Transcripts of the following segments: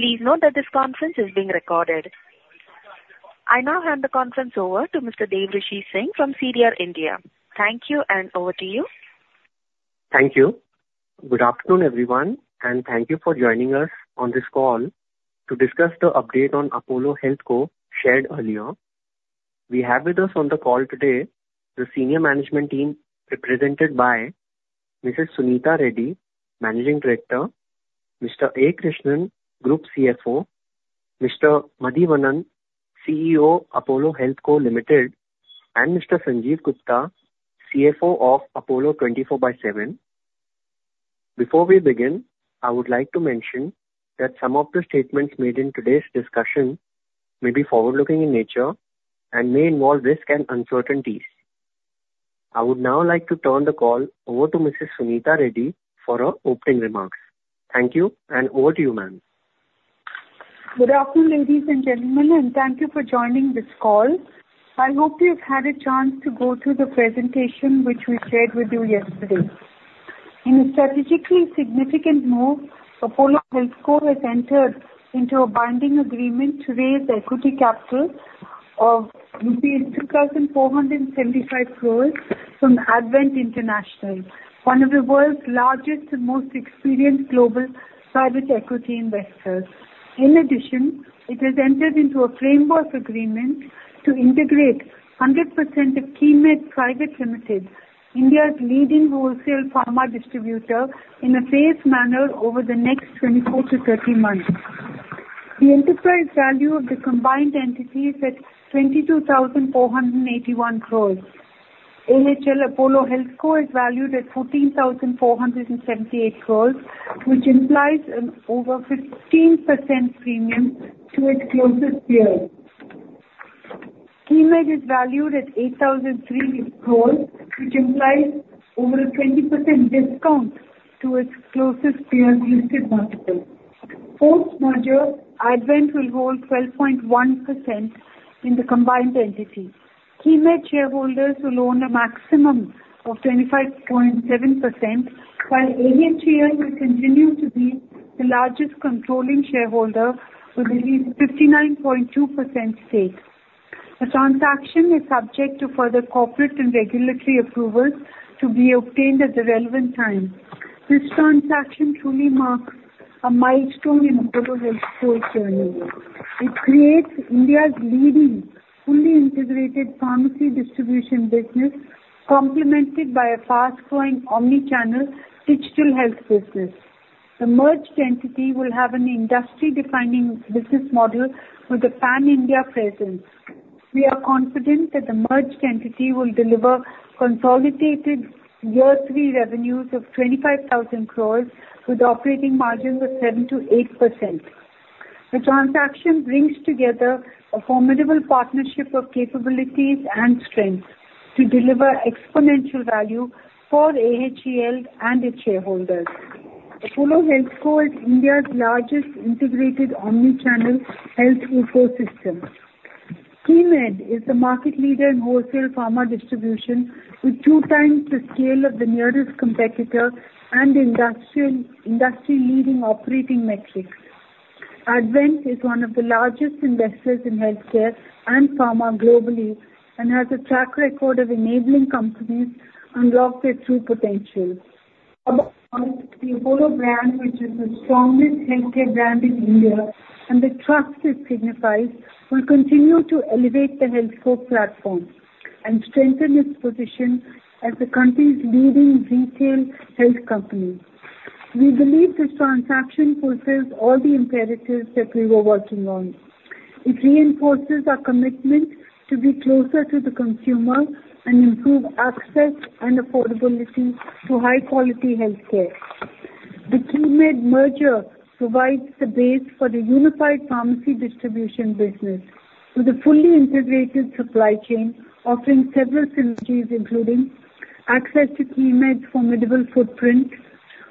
Please note that this conference is being recorded. I now hand the conference over to Mr. Devrishi Singh from CDR India, India. Thank you, and over to you. Thank you. Good afternoon, everyone, and thank you for joining us on this call to discuss the update on Apollo HealthCo shared earlier. We have with us on the call today the senior management team represented by Mrs. Suneeta Reddy, Managing Director, Mr. A. Krishnan, Group CFO, Mr. Madhivanan, CEO, Apollo HealthCo Limited, and Mr. Sanjiv Gupta, CFO of Apollo 24/7. Before we begin, I would like to mention that some of the statements made in today's discussion may be forward-looking in nature and may involve risk and uncertainties. I would now like to turn the call over to Mrs. Suneeta Reddy for her opening remarks. Thank you, and over to you, ma'am. Good afternoon, ladies and gentlemen, and thank you for joining this call. I hope you've had a chance to go through the presentation which we shared with you yesterday. In a strategically significant move, Apollo HealthCo has entered into a binding agreement to raise equity capital of rupees 2,475 crores from Advent International, one of the world's largest and most experienced global private equity investors. In addition, it has entered into a framework agreement to integrate 100% of Keimed Private Limited, India's leading wholesale pharma distributor, in a phased manner over the next 24-30 months. The enterprise value of the combined entity is at 22,481 crores. AHL Apollo HealthCo is valued at 14,478 crores, which implies an over 15% premium to its closest peers. Keimed is valued at 8,003 crores, which implies over a 20% discount to its closest peers listed market. Post-merger, Advent will hold 12.1% in the combined entity. Keimed shareholders will own a maximum of 25.7%, while AHL will continue to be the largest controlling shareholder with at least 59.2% stake. A transaction is subject to further corporate and regulatory approvals to be obtained at the relevant time. This transaction truly marks a milestone in Apollo HealthCo's journey. It creates India's leading fully integrated pharmacy distribution business, complemented by a fast-growing omnichannel digital health business. The merged entity will have an industry-defining business model with a pan-India presence. We are confident that the merged entity will deliver consolidated year-three revenues of 25,000 crore, with operating margins of 7%-8%. The transaction brings together a formidable partnership of capabilities and strengths to deliver exponential value for AHL and its shareholders. Apollo HealthCo is India's largest integrated omnichannel health ecosystem. Keimed is the market leader in wholesale pharma distribution, with 2x the scale of the nearest competitor and industry-leading operating metrics. Advent is one of the largest investors in healthcare and pharma globally and has a track record of enabling companies unlock their true potential. The Apollo brand, which is the strongest healthcare brand in India and the trust it signifies, will continue to elevate the HealthCo platform and strengthen its position as the country's leading retail health company. We believe this transaction fulfills all the imperatives that we were working on. It reinforces our commitment to be closer to the consumer and improve access and affordability to high-quality healthcare. The Keimed merger provides the base for the unified pharmacy distribution business with a fully integrated supply chain, offering several synergies including access to Keimed's formidable footprint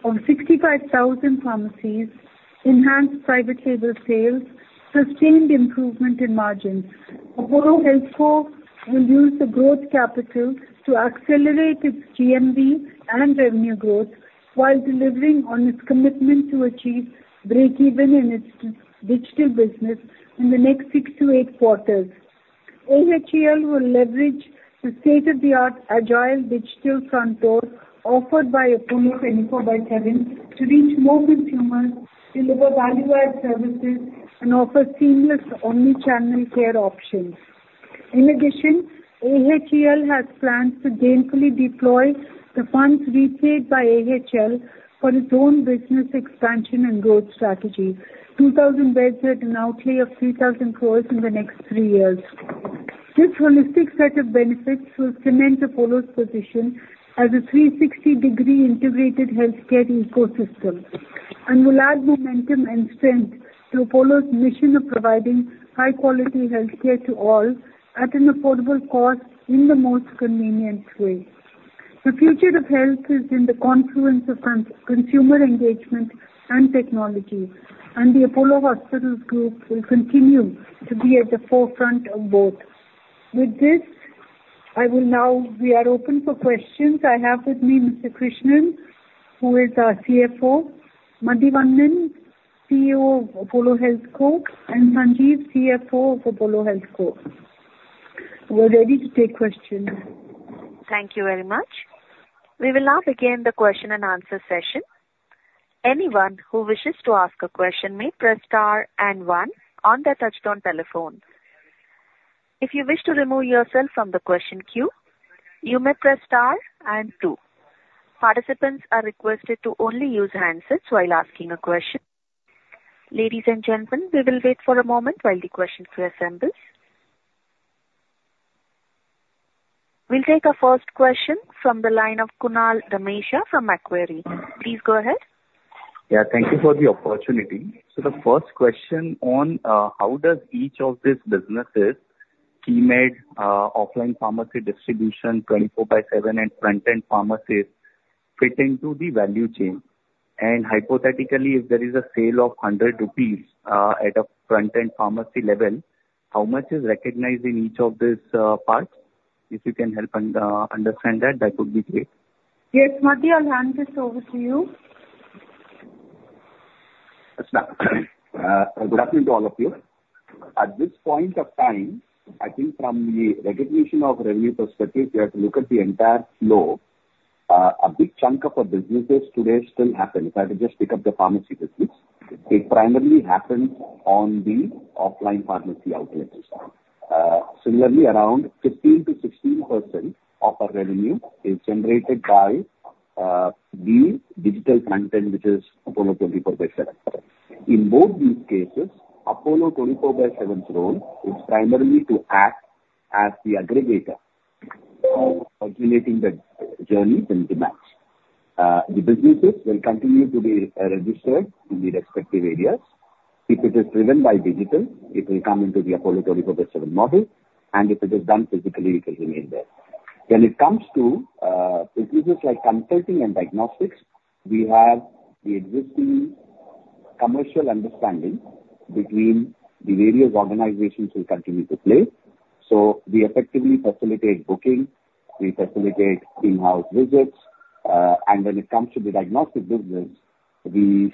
of 65,000 pharmacies, enhanced private label sales, and sustained improvement in margins. Apollo HealthCo will use the growth capital to accelerate its GMV and revenue growth while delivering on its commitment to achieve break-even in its digital business in the next 6-8 quarters. AHL will leverage the state-of-the-art agile digital front door offered by Apollo 24/7 to reach more consumers, deliver value-added services, and offer seamless omnichannel care options. In addition, AHL has plans to gainfully deploy the funds repaid by AHL for its own business expansion and growth strategy, 2,000 beds at an outlay of 3,000 crore in the next 3 years. This holistic set of benefits will cement Apollo's position as a 360-degree integrated healthcare ecosystem and will add momentum and strength to Apollo's mission of providing high-quality healthcare to all at an affordable cost in the most convenient way. The future of health is in the confluence of consumer engagement and technology, and the Apollo Hospitals Group will continue to be at the forefront of both. With this, I will now. We are open for questions. I have with me Mr. Krishnan, who is our CFO, Madhivanan, CEO of Apollo HealthCo, and Sanjiv, CFO of Apollo HealthCo. We're ready to take questions. Thank you very much. We will now begin the question-and-answer session. Anyone who wishes to ask a question may press star and one on their touch-tone telephone. If you wish to remove yourself from the question queue, you may press star and two. Participants are requested to only use handsets while asking a question. Ladies and gentlemen, we will wait for a moment while the questions assemble. We'll take our first question from the line of Kunal Ramesia from Macquarie Group. Please go ahead. Yeah, thank you for the opportunity. So the first question on how does each of these businesses (Keimed, offline pharmacy distribution, 24/7, and front-end pharmacies) fit into the value chain? And hypothetically, if there is a sale of 100 rupees at a front-end pharmacy level, how much is recognized in each of these parts? If you can help understand that, that would be great. Yes, Madhivanan, I'll hand this over to you. Yes, ma'am. Good afternoon to all of you. At this point of time, I think from the recognition of revenue perspective, if you have to look at the entire flow, a big chunk of our businesses today still happens, if I had to just pick up the pharmacy business, it primarily happens on the offline pharmacy outlets. Similarly, around 15%-16% of our revenue is generated by the digital front-end, which is Apollo 24/7. In both these cases, Apollo 24/7's role is primarily to act as the aggregator, coordinating the journeys and demands. The businesses will continue to be registered in the respective areas. If it is driven by digital, it will come into the Apollo 24/7 model, and if it is done physically, it will remain there. When it comes to businesses like consulting and diagnostics, we have the existing commercial understanding between the various organizations who continue to play. So we effectively facilitate booking, we facilitate in-house visits, and when it comes to the diagnostic business, we,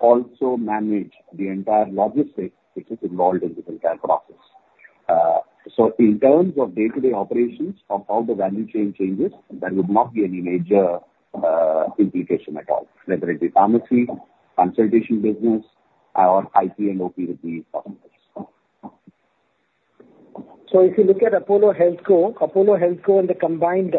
also manage the entire logistics which is involved in this entire process. So in terms of day-to-day operations of how the value chain changes, there would not be any major, implication at all, whether it be pharmacy, consultation business, or IT and OPD with these customers. So if you look at Apollo HealthCo, Apollo HealthCo and the combined,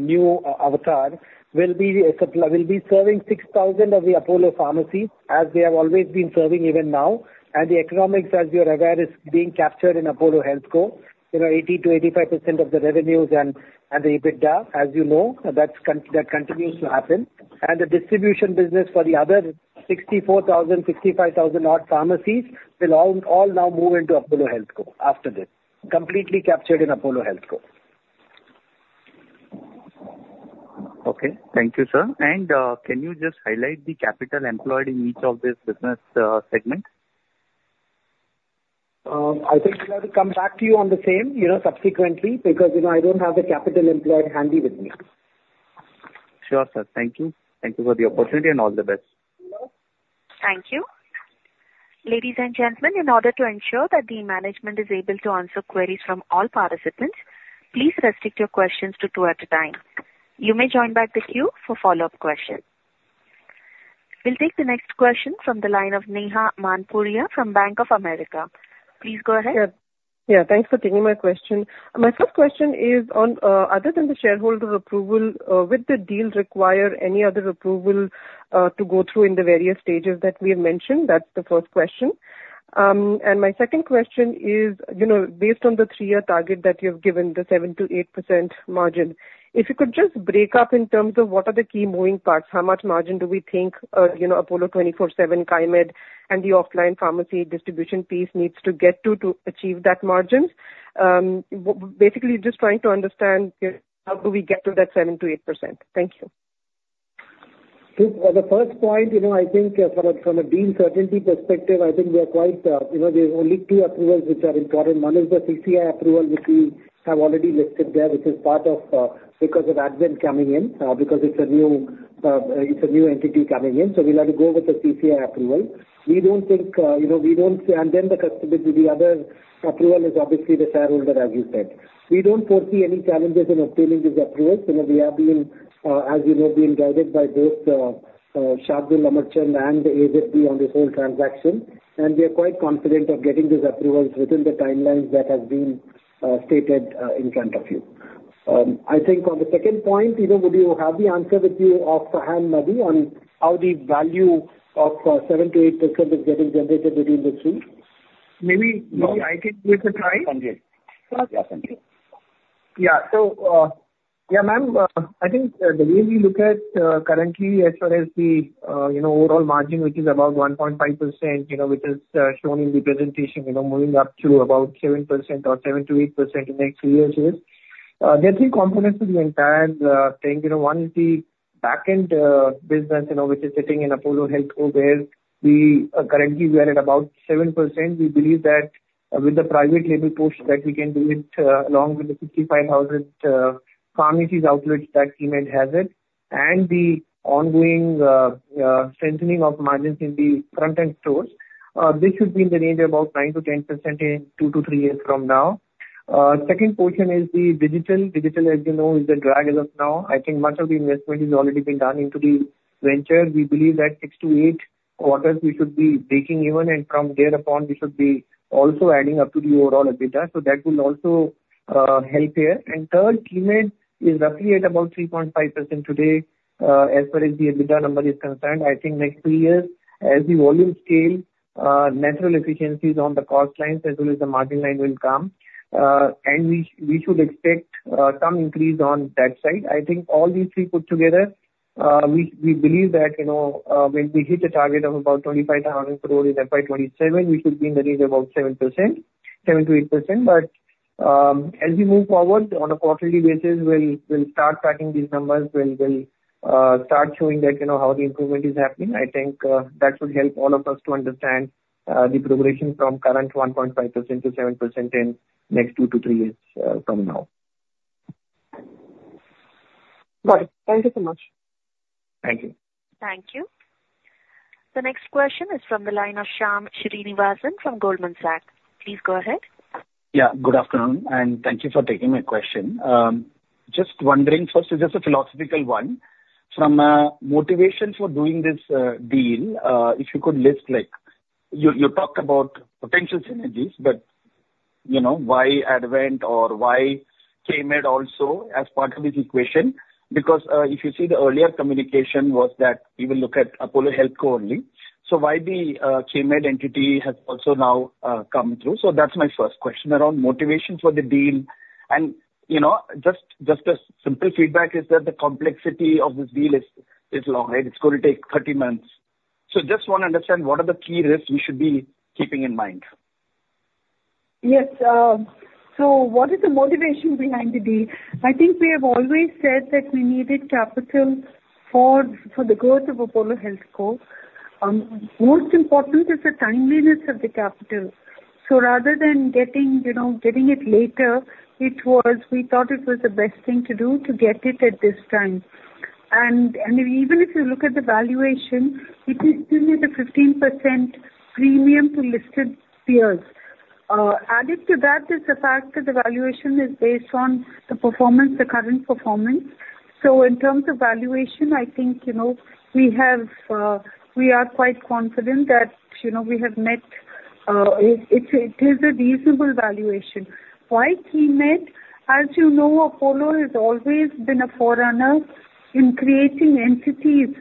new avatar will be a supplier, will be serving 6,000 of the Apollo pharmacies as they have always been serving even now. And the economics, as you're aware, is being captured in Apollo HealthCo. You know, 80%-85% of the revenues and the EBITDA, as you know, that continues to happen. And the distribution business for the other 64,000, 65,000-odd pharmacies will all now move into Apollo HealthCo after this, completely captured in Apollo HealthCo. Okay. Thank you, sir. And, can you just highlight the capital employed in each of these business segments? I think we'll have to come back to you on the same, you know, subsequently because, you know, I don't have the capital employed handy with me. Sure, sir. Thank you. Thank you for the opportunity, and all the best. Thank you. Ladies and gentlemen, in order to ensure that the management is able to answer queries from all participants, please restrict your questions to two at a time. You may join back the queue for follow-up questions. We'll take the next question from the line of Neha Manpuria from Bank of America. Please go ahead. Yeah, yeah. Thanks for taking my question. My first question is on, other than the shareholder approval, would the deal require any other approval, to go through in the various stages that we have mentioned? That's the first question. And my second question is, you know, based on the three-year target that you've given, the 7%-8% margin, if you could just break up in terms of what are the key moving parts, how much margin do we think, you know, Apollo 24/7, Keimed, and the offline pharmacy distribution piece needs to get to to achieve that margin? Basically, just trying to understand, you know, how do we get to that 7%-8%? Thank you. So for the first point, you know, I think, from a deal certainty perspective, I think we are quite, you know, there's only two approvals which are important. One is the CCI approval, which we have already listed there, which is part of, because of Advent coming in, because it's a new entity coming in. So we'll have to go with the CCI approval. We don't think, you know, we don't see and then the other approval is obviously the shareholder, as you said. We don't foresee any challenges in obtaining these approvals. You know, we have been, as you know, being guided by both, Shardul Amarchand Mangaldas & Co and AZB on this whole transaction. And we are quite confident of getting these approvals within the timelines that have been stated in front of you. I think on the second point, you know, would you have the answer with you of S. Madhivanan on how the value of 7%-8% is getting generated between the three? Maybe, maybe I can give it a try. Sanjiv? Yes, Sanjiv. Yeah. So, yeah, ma'am. I think, the way we look at, currently as far as the, you know, overall margin, which is about 1.5%, you know, which is, shown in the presentation, you know, moving up to about 7% or 7%-8% in the next three years, it is there are three components to the entire, thing. You know, one is the back-end, business, you know, which is sitting in Apollo HealthCo, where we, currently, we are at about 7%. We believe that, with the private label push that we can do it, along with the 65,000, pharmacies outlets that Keimed has it and the ongoing, strengthening of margins in the front-end stores, this should be in the range of about 9%-10% in two to three years from now. Second portion is the digital. Digital, as you know, is the drag as of now. I think much of the investment has already been done into the venture. We believe that 6-8 quarters we should be breaking even, and from thereupon, we should be also adding up to the overall EBITDA. So that will also help here. And third, Keimed is roughly at about 3.5% today, as far as the EBITDA number is concerned. I think next three years, as the volume scale, natural efficiencies on the cost lines as well as the margin line will come, and we should expect some increase on that side. I think all these three put together, we believe that, you know, when we hit a target of about 25,000 crore in FY 2027, we should be in the range of about 7%-8%. But as we move forward on a quarterly basis, we'll start tracking these numbers. We'll start showing that, you know, how the improvement is happening. I think that should help all of us to understand the progression from current 1.5%-7% in next two to three years from now. Got it. Thank you so much. Thank you. Thank you. The next question is from the line of Shyam Srinivasan from Goldman Sachs. Please go ahead. Yeah. Good afternoon. Thank you for taking my question. Just wondering first, just a philosophical one from motivation for doing this deal, if you could list, like you, you talked about potential synergies, but, you know, why Advent or why Keimed also as part of this equation? Because, if you see the earlier communication was that we will look at Apollo HealthCo only. So why the, Keimed entity has also now, come through? So that's my first question around motivation for the deal. And, you know, just, just a simple feedback is that the complexity of this deal is, is long, right? It's going to take 30 months. So just want to understand what are the key risks we should be keeping in mind? Yes. So what is the motivation behind the deal? I think we have always said that we needed capital for the growth of Apollo HealthCo. Most important is the timeliness of the capital. So rather than getting, you know, getting it later, it was we thought it was the best thing to do to get it at this time. And even if you look at the valuation, it is still at a 15% premium to listed peers. Added to that is the fact that the valuation is based on the performance, the current performance. So in terms of valuation, I think, you know, we have, we are quite confident that, you know, we have met it. It is a reasonable valuation. Why Keimed? As you know, Apollo has always been a forerunner in creating entities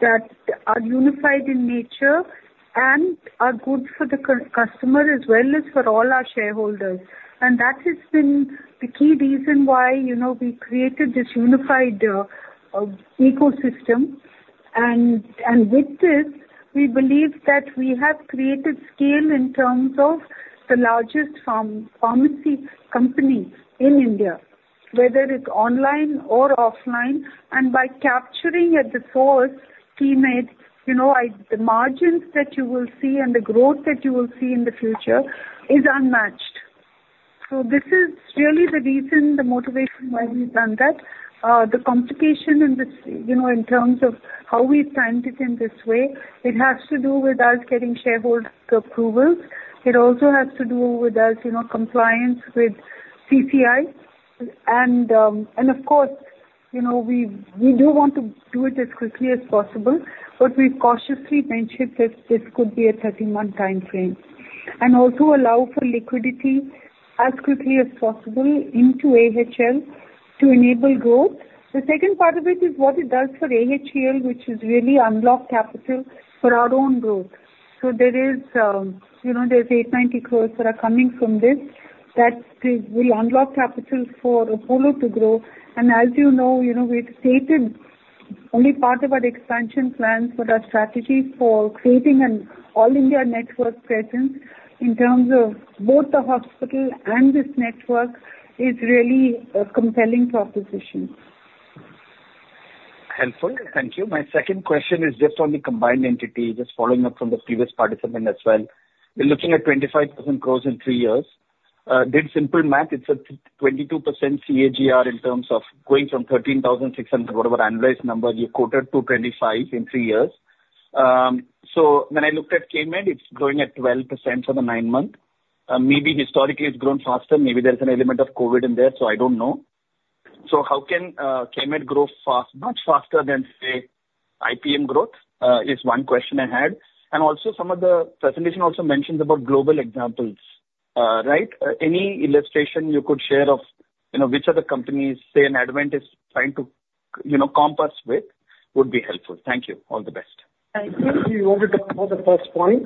that are unified in nature and are good for the customer as well as for all our shareholders. And that has been the key reason why, you know, we created this unified ecosystem. And with this, we believe that we have created scale in terms of the largest pharmacy companies in India, whether it's online or offline. And by capturing at the source, Keimed, you know, the margins that you will see and the growth that you will see in the future is unmatched. So this is really the reason, the motivation why we've done that. The complication in this you know, in terms of how we've planned it in this way, it has to do with us getting shareholder approvals. It also has to do with us, you know, compliance with CCI. And of course, you know, we do want to do it as quickly as possible, but we've cautiously mentioned that this could be a 30-month time frame and also allow for liquidity as quickly as possible into AHL to enable growth. The second part of it is what it does for AHL, which is really unlock capital for our own growth. So there is, you know, there's 890 crore that are coming from this that will unlock capital for Apollo to grow. And as you know, you know, we've stated only part of our expansion plans for our strategy for creating an all-India network presence in terms of both the hospital and this network is really a compelling proposition. Helpful. Thank you. My second question is just on the combined entity, just following up from the previous participant as well. We're looking at 25% growth in three years. Did simple math, it's a 22% CAGR in terms of going from 13,600, whatever annualized number, you quoted to 25% in three years. So when I looked at Keimed, it's growing at 12% for the nine months. Maybe historically, it's grown faster. Maybe there's an element of COVID in there, so I don't know. So how can Keimed grow fast much faster than, say, IPM growth? Is one question I had. And also, some of the presentation also mentions about global examples, right? Any illustration you could share of, you know, which other companies, say, a Advent is trying to, you know, compete with would be helpful. Thank you. All the best. Thank you. Do you want to talk about the first point?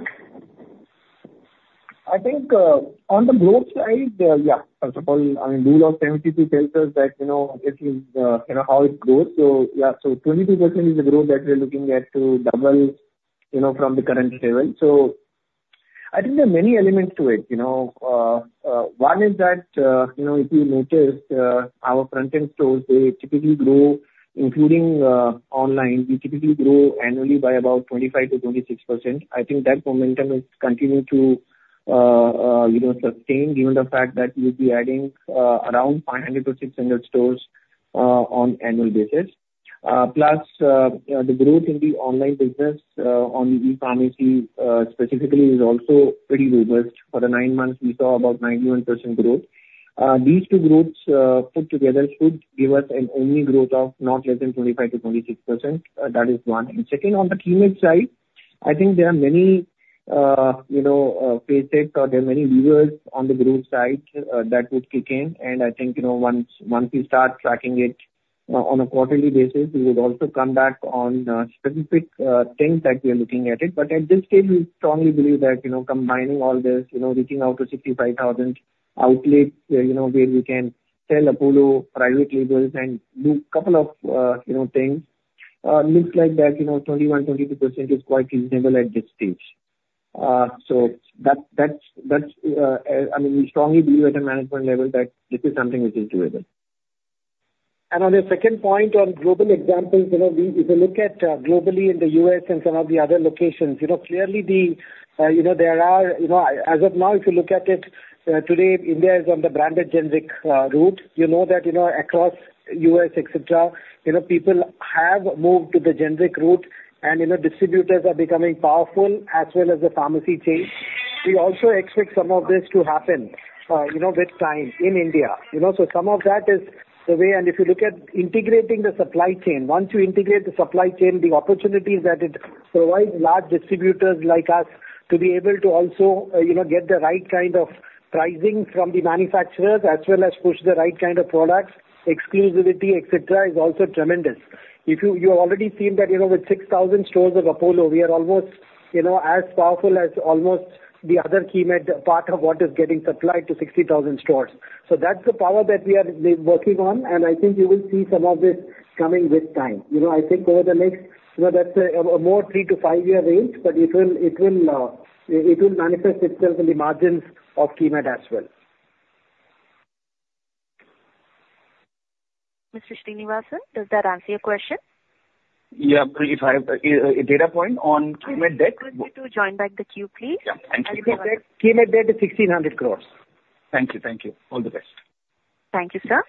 I think, on the growth side, yeah. First of all, I mean, Google has 72 filters that, you know, if you, you know, how it grows. So yeah. So 22% is the growth that we're looking at to double, you know, from the current level. So I think there are many elements to it, you know. One is that, you know, if you notice, our front-end stores, they typically grow including, online. We typically grow annually by about 25%-26%. I think that momentum is continuing to, you know, sustain given the fact that we'll be adding, around 500-600 stores, on annual basis. Plus, the growth in the online business, on the ePharmacy, specifically, is also pretty robust. For the nine months, we saw about 91% growth. These two growths, put together should give us an only growth of not less than 25%-26%. That is one. Second, on the Keimed side, I think there are many, you know, facets or there are many levers on the growth side, that would kick in. And I think, you know, once, once we start tracking it, on a quarterly basis, we would also come back on, specific, things that we are looking at it. But at this stage, we strongly believe that, you know, combining all this, you know, reaching out to 65,000 outlets, you know, where we can sell Apollo private labels and do a couple of, you know, things, looks like that, you know, 21%-22% is quite reasonable at this stage. So that, that's, that's, I mean, we strongly believe at a management level that this is something which is doable. On the second point on global examples, you know, we if you look at, globally in the U.S. and some of the other locations, you know, clearly, the, you know, there are you know, as of now, if you look at it, today, India is on the branded generic route. You know that, you know, across U.S., etc., you know, people have moved to the generic route, and, you know, distributors are becoming powerful as well as the pharmacy chain. We also expect some of this to happen, you know, with time in India, you know. So some of that is the way and if you look at integrating the supply chain, once you integrate the supply chain, the opportunities that it provides large distributors like us to be able to also, you know, get the right kind of pricing from the manufacturers as well as push the right kind of products, exclusivity, etc., is also tremendous. If you've already seen that, you know, with 6,000 stores of Apollo, we are almost, you know, as powerful as almost the other Keimed part of what is getting supplied to 60,000 stores. So that's the power that we are working on. And I think you will see some of this coming with time. You know, I think over the next you know, that's a, a more 3-5-year range, but it will manifest itself in the margins of Keimed as well. Mr. Srinivasan, does that answer your question? Yeah. If I have a data point on Keimed debt. Could you join back the queue, please? Yeah. Thank you. Keimed debt is 1,600 crore. Thank you. Thank you. All the best. Thank you, sir.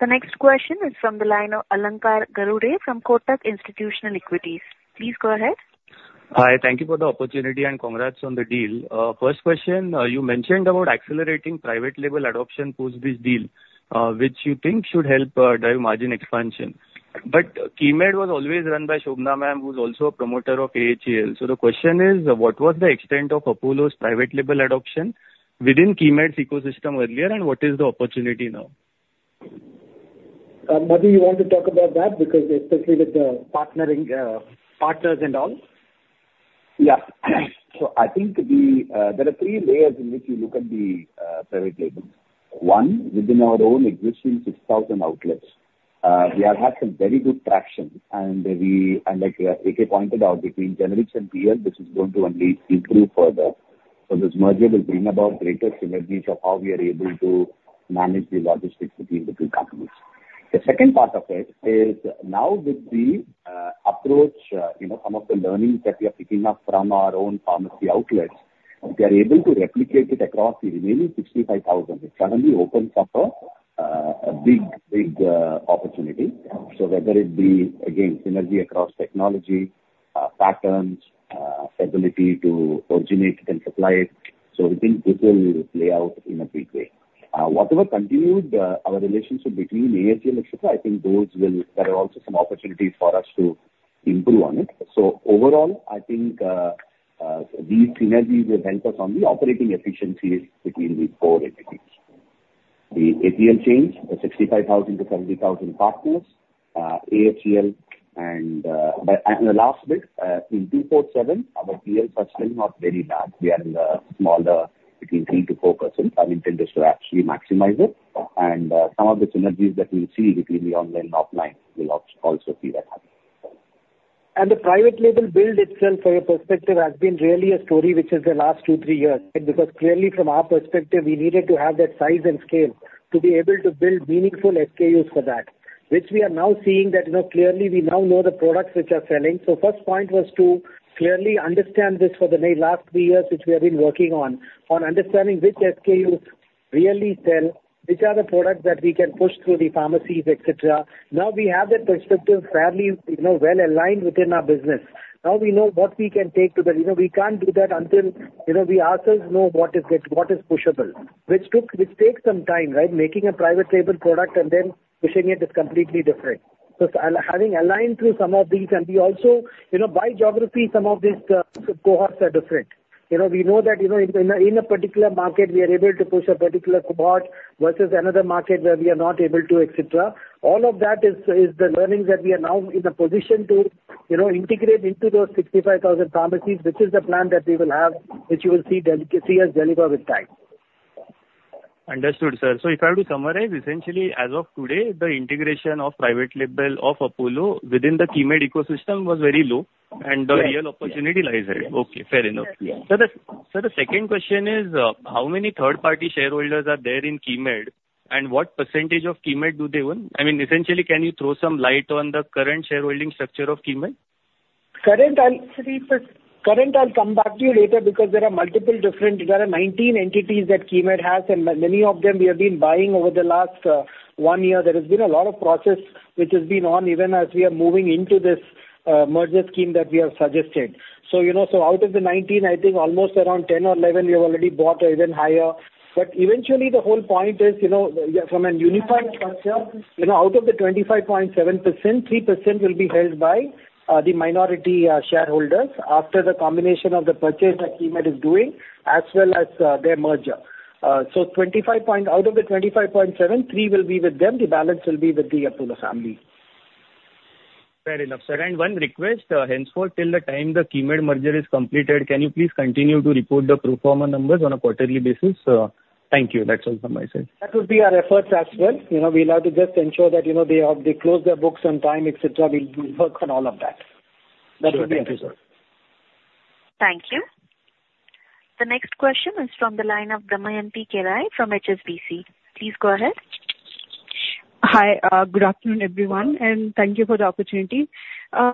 The next question is from the line of Alankar Garude from Kotak Institutional Equities. Please go ahead. Hi. Thank you for the opportunity, and congrats on the deal. First question, you mentioned about accelerating private label adoption post this deal, which you think should help drive margin expansion. But Keimed was always run by Shobana Kamineni, who's also a promoter of AHL. So the question is, what was the extent of Apollo's private label adoption within Keimed's ecosystem earlier, and what is the opportunity now? Madhivanan, you want to talk about that because especially with the partnering, partners and all? Yeah. So I think there are three layers in which you look at the private labels. One, within our own existing 6,000 outlets, we have had some very good traction, and, like, AK pointed out, between generics and PL, this is going to only improve further. So this merger will bring about greater synergies of how we are able to manage the logistics between the two companies. The second part of it is now with the approach, you know, some of the learnings that we are picking up from our own pharmacy outlets, we are able to replicate it across the remaining 65,000. It suddenly opens up a, a big, big, opportunity. So whether it be, again, synergy across technology, patterns, ability to originate and supply it, so I think this will play out in a big way. Whatever continued, our relationship between AHL, etc. I think those will, there are also some opportunities for us to improve on it. So overall, I think these synergies will help us on the operating efficiencies between these four entities. The APL change, the 65,000-70,000 partners, AHL, and, but and the last bit, in 24/7, our PLs are still not very bad. We are in the smaller between 3%-4%. Our intent is to actually maximize it. Some of the synergies that we'll see between the online and offline will also see that happen. The private label build itself, from your perspective, has been really a story which is the last 2-3 years, right? Because clearly, from our perspective, we needed to have that size and scale to be able to build meaningful SKUs for that, which we are now seeing that, you know, clearly, we now know the products which are selling. So first point was to clearly understand this for the next last three years, which we have been working on, on understanding which SKUs really sell, which are the products that we can push through the pharmacies, etc. Now we have that perspective fairly, you know, well aligned within our business. Now we know what we can take to the you know, we can't do that until, you know, we ourselves know what is what is pushable, which took which takes some time, right? Making a private label product and then pushing it is completely different. So having aligned through some of these and we also, you know, by geography, some of these cohorts are different. You know, we know that, you know, in a particular market, we are able to push a particular cohort versus another market where we are not able to, etc. All of that is the learnings that we are now in a position to, you know, integrate into those 65,000 pharmacies, which is the plan that we will have, which you will see us deliver with time. Understood, sir. So if I have to summarize, essentially, as of today, the integration of private label of Apollo within the Keimed ecosystem was very low, and the real opportunity lies there. Okay. Fair enough. Yeah. So the second question is, how many third-party shareholders are there in Keimed, and what percentage of Keimed do they own? I mean, essentially, can you throw some light on the current shareholding structure of Keimed? Current, I'll see first. Current, I'll come back to you later because there are multiple different 19 entities that Keimed has, and many of them, we have been buying over the last 1 year. There has been a lot of process which has been on even as we are moving into this merger scheme that we have suggested. So, you know, so out of the 19, I think almost around 10 or 11, we have already bought or even higher. But eventually, the whole point is, you know, from a unified structure, you know, out of the 25.7%, 3% will be held by the minority shareholders after the combination of the purchase that Keimed is doing as well as their merger. So 25 point out of the 25.7%, 3% will be with them. The balance will be with the Apollo family. Fair enough, sir. And one request, henceforth, till the time the Keimed merger is completed, can you please continue to report the pro forma numbers on a quarterly basis? Thank you. That's all from my side. That would be our efforts as well. You know, we'll have to just ensure that, you know, they have to close their books on time, etc. We'll work on all of that. That would be our effort. Thank you, sir. Thank you. The next question is from the line of Damayanti Kerai from HSBC. Please go ahead. Hi. Good afternoon, everyone, and thank you for the opportunity.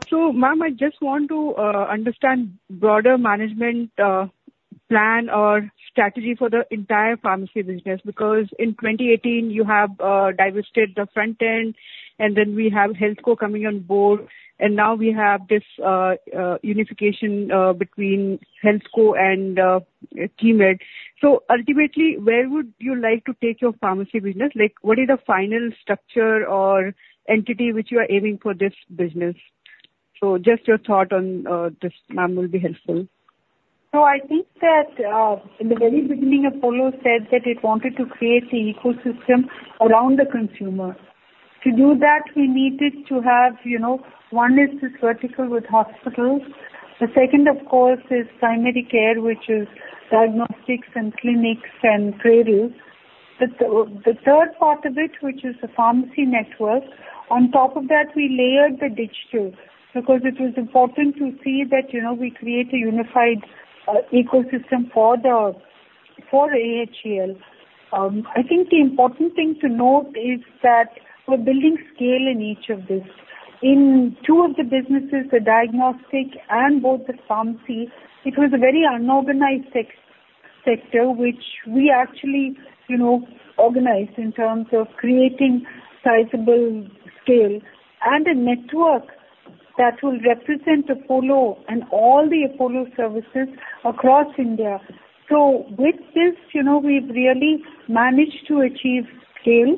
So ma'am, I just want to understand broader management plan or strategy for the entire pharmacy business because in 2018, you have divested the front-end, and then we have Healthco coming on board. And now we have this unification between Healthco and Keimed. So ultimately, where would you like to take your pharmacy business? Like, what is the final structure or entity which you are aiming for this business? So just your thought on this, ma'am, will be helpful. So I think that, in the very beginning, Apollo said that it wanted to create the ecosystem around the consumer. To do that, we needed to have, you know, one, is this vertical with hospitals. The second, of course, is primary care, which is diagnostics and clinics and Cradles. The third part of it, which is the pharmacy network, on top of that, we layered the digital because it was important to see that, you know, we create a unified ecosystem for the AHL. I think the important thing to note is that we're building scale in each of this. In two of the businesses, the diagnostic and both the pharmacy, it was a very unorganized sector, which we actually, you know, organized in terms of creating sizable scale and a network that will represent Apollo and all the Apollo services across India. So with this, you know, we've really managed to achieve scale.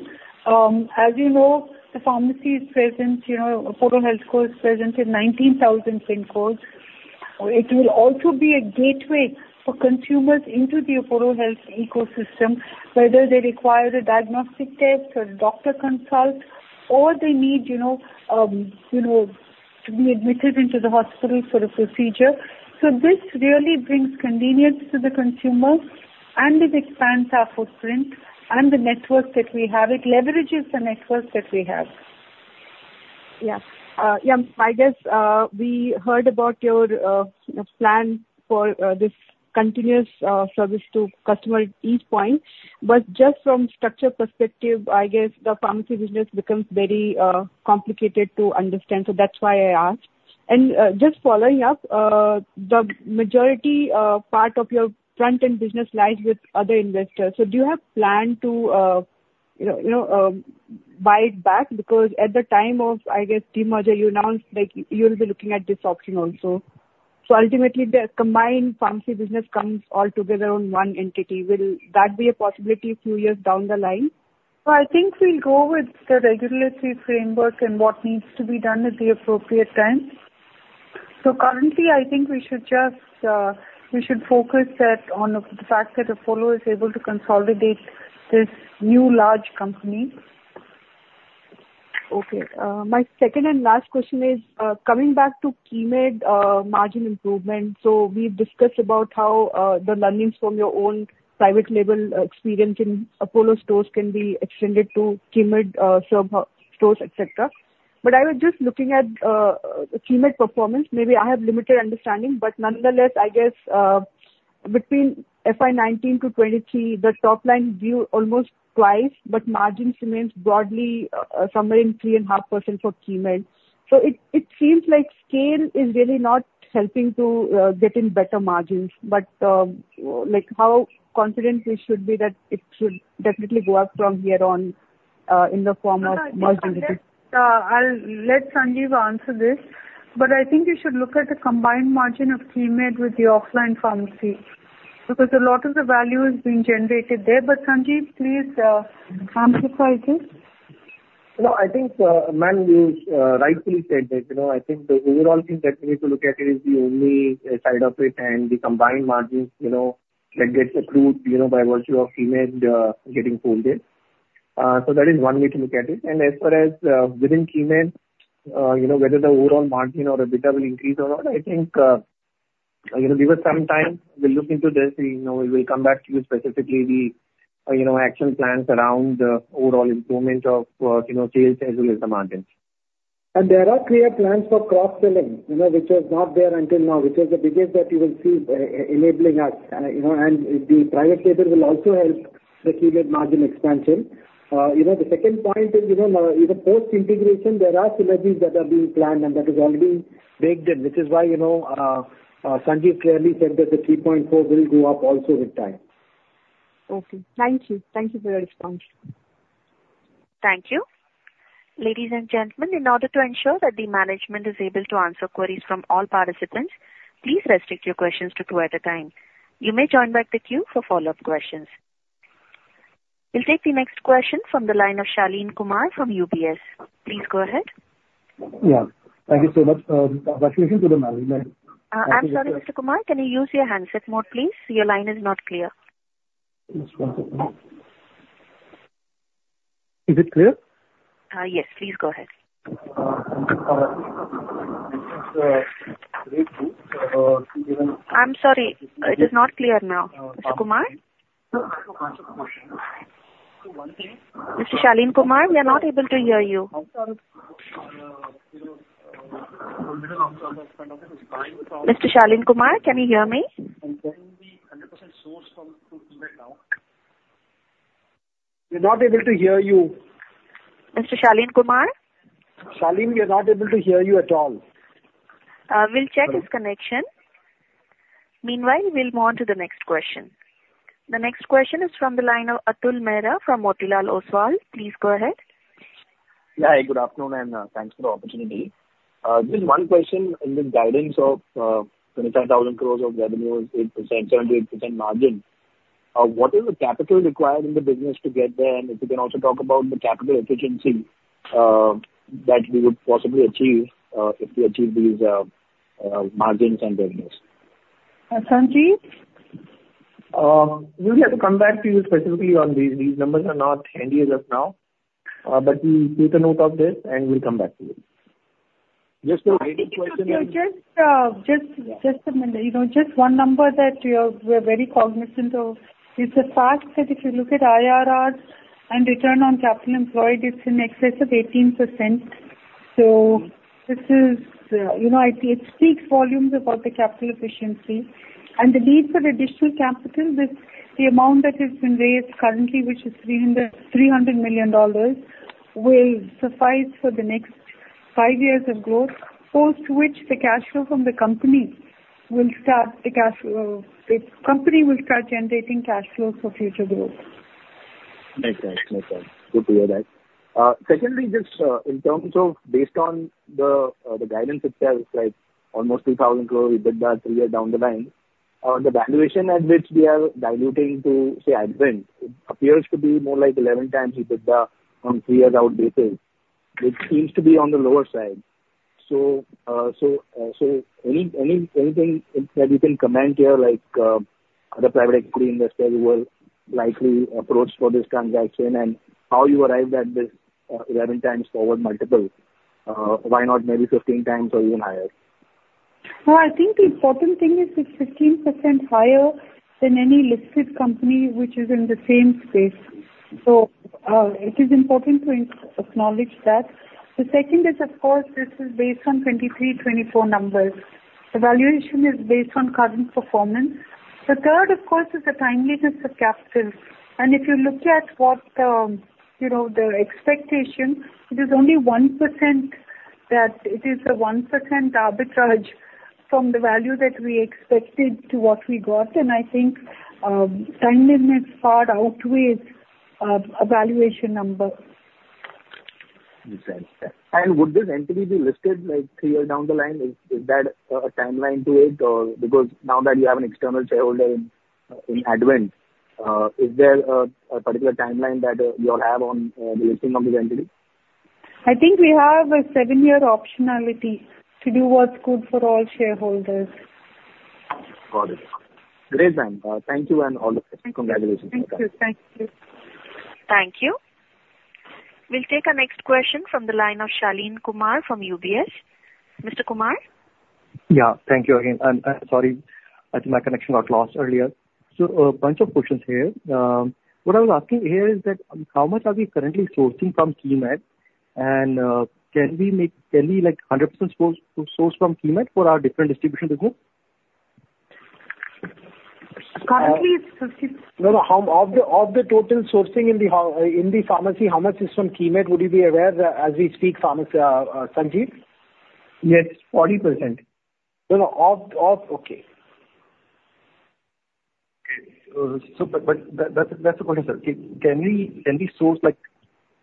As you know, the pharmacy is present, you know, Apollo HealthCo is present in 19,000 PIN codes. It will also be a gateway for consumers into the Apollo Health ecosystem, whether they require a diagnostic test or a doctor consult or they need, you know, you know, to be admitted into the hospital for a procedure. So this really brings convenience to the consumer, and it expands our footprint and the network that we have. It leverages the network that we have. Yeah. Yeah. I guess we heard about your plan for this continuous service to customer at each point. But just from structure perspective, I guess the pharmacy business becomes very complicated to understand. So that's why I asked. Just following up, the majority part of your front-end business lies with other investors. So do you have plan to, you know, you know, buy it back? Because at the time of, I guess, the merger, you announced, like, you'll be looking at this option also. So ultimately, the combined pharmacy business comes all together on one entity. Will that be a possibility a few years down the line? I think we'll go with the regulatory framework and what needs to be done at the appropriate time. Currently, I think we should just, we should focus that on the fact that Apollo is able to consolidate this new large company. Okay. My second and last question is, coming back to Keimed, margin improvement. So we've discussed about how, the learnings from your own private label, experience in Apollo stores can be extended to Keimed, sub-stores, etc. But I was just looking at, Keimed performance. Maybe I have limited understanding. But nonetheless, I guess, between FY19 to FY23, the top line grew almost twice, but margins remains broadly, somewhere in 3.5% for Keimed. So it, it seems like scale is really not helping to, get in better margins. But, like, how confident we should be that it should definitely go up from here on, in the form of merging? I guess, I'll let Sanjiv answer this. But I think you should look at the combined margin of Keimed with the offline pharmacy because a lot of the value is being generated there. Sanjiv, please, amplify this. No, I think, ma'am, you, rightfully said that, you know, I think the overall thing that we need to look at is the only side of it and the combined margins, you know, that gets approved, you know, by virtue of Keimed, getting folded. So that is one way to look at it. And as far as, within Keimed, you know, whether the overall margin or a bit will increase or not, I think, you know, give us some time. We'll look into this. You know, we will come back to you specifically the, you know, action plans around the overall improvement of, you know, sales as well as the margins. And there are clear plans for cross-selling, you know, which was not there until now, which is the biggest that you will see enabling us, you know. And the private label will also help the Keimed margin expansion. You know, the second point is, you know, in the post-integration, there are synergies that are being planned, and that is already baked in, which is why, you know, Sanjiv clearly said that the 3.4% will go up also with time. Okay. Thank you. Thank you for your response. Thank you. Ladies and gentlemen, in order to ensure that the management is able to answer queries from all participants, please restrict your questions to two at a time. You may join back the queue for follow-up questions. We'll take the next question from the line of Shaleen Kumar from UBS. Please go ahead. Yeah. Thank you so much. Congratulations to the management. I'm sorry, Mr. Kumar. Can you use your handset mode, please? Your line is not clear. Just one second. Is it clear? Yes. Please go ahead. I'm sorry. It is not clear now. Mr. Kumar? Mr. Shaleen Kumar, we are not able to hear you. Mr. Shaleen Kumar, can you hear me? Can you hear me 100% source from through Keimed now? We're not able to hear you. Mr. Shaleen Kumar? Shaleen, we are not able to hear you at all. We'll check his connection. Meanwhile, we'll move on to the next question. The next question is from the line of Atul Mehra from Motilal Oswal. Please go ahead. Yeah. Hey, good afternoon, and thanks for the opportunity. Just one question. In this guidance of 25,000 crore of revenue, it's 8%, 7%-8% margin. What is the capital required in the business to get there? And if you can also talk about the capital efficiency that we would possibly achieve if we achieve these margins and revenues. Sanjiv? We'll have to come back to you specifically on these. These numbers are not handy as of now. But we'll take a note of this, and we'll come back to you. Just the latest question and. Just, just, just a minute. You know, just 1 number that we are very cognizant of. It's the fact that if you look at IRR and return on capital employed, it's in excess of 18%. So this is, you know, it speaks volumes about the capital efficiency. And the need for additional capital, with the amount that has been raised currently, which is $300 million, will suffice for the next 5 years of growth, post which the cash flow from the company will start the cash flow the company will start generating cash flows for future growth. Makes sense. Makes sense. Good to hear that. Secondly, just, in terms of based on the guidance itself, like, almost 2,000 crore, we did that three years down the line. The valuation at which we are diluting to, say, Advent appears to be more like 11x we did that on three-year-out basis, which seems to be on the lower side. So, anything that you can comment here, like, other private equity investors will likely approach for this transaction and how you arrived at this, 11x forward multiple. Why not maybe 15x or even higher? Well, I think the important thing is it's 15% higher than any listed company which is in the same space. It is important to acknowledge that. The second is, of course, this is based on 2023-2024 numbers. The valuation is based on current performance. The third, of course, is the timeliness of capital. And if you look at what the, you know, the expectation, it is only 1% that it is a 1% arbitrage from the value that we expected to what we got. And I think, timeliness far outweighs, a valuation number. Makes sense. Would this entity be listed, like, three years down the line? Is that a timeline to it, or because now that you have an external shareholder in Advent, is there a particular timeline that you'll have on the listing of this entity? I think we have a 7-year optionality to do what's good for all shareholders. Got it. Great, ma'am. Thank you and all the best. Congratulations. Thank you. Thank you. Thank you. We'll take our next question from the line of Shaleen Kumar from UBS. Mr. Kumar? Yeah. Thank you again. Sorry. I think my connection got lost earlier. So, a bunch of questions here. What I was asking here is that how much are we currently sourcing from Keimed? And, can we make can we, like, 100% source from Keimed for our different distribution business? Currently, it's 50. No, no. How much of the total sourcing in the pharmacy is from Keimed? Would you be aware of that as we speak, Sanjiv? Yes. 40%. No, no. Okay. Okay. So, but that's the question, sir. Can we source, like,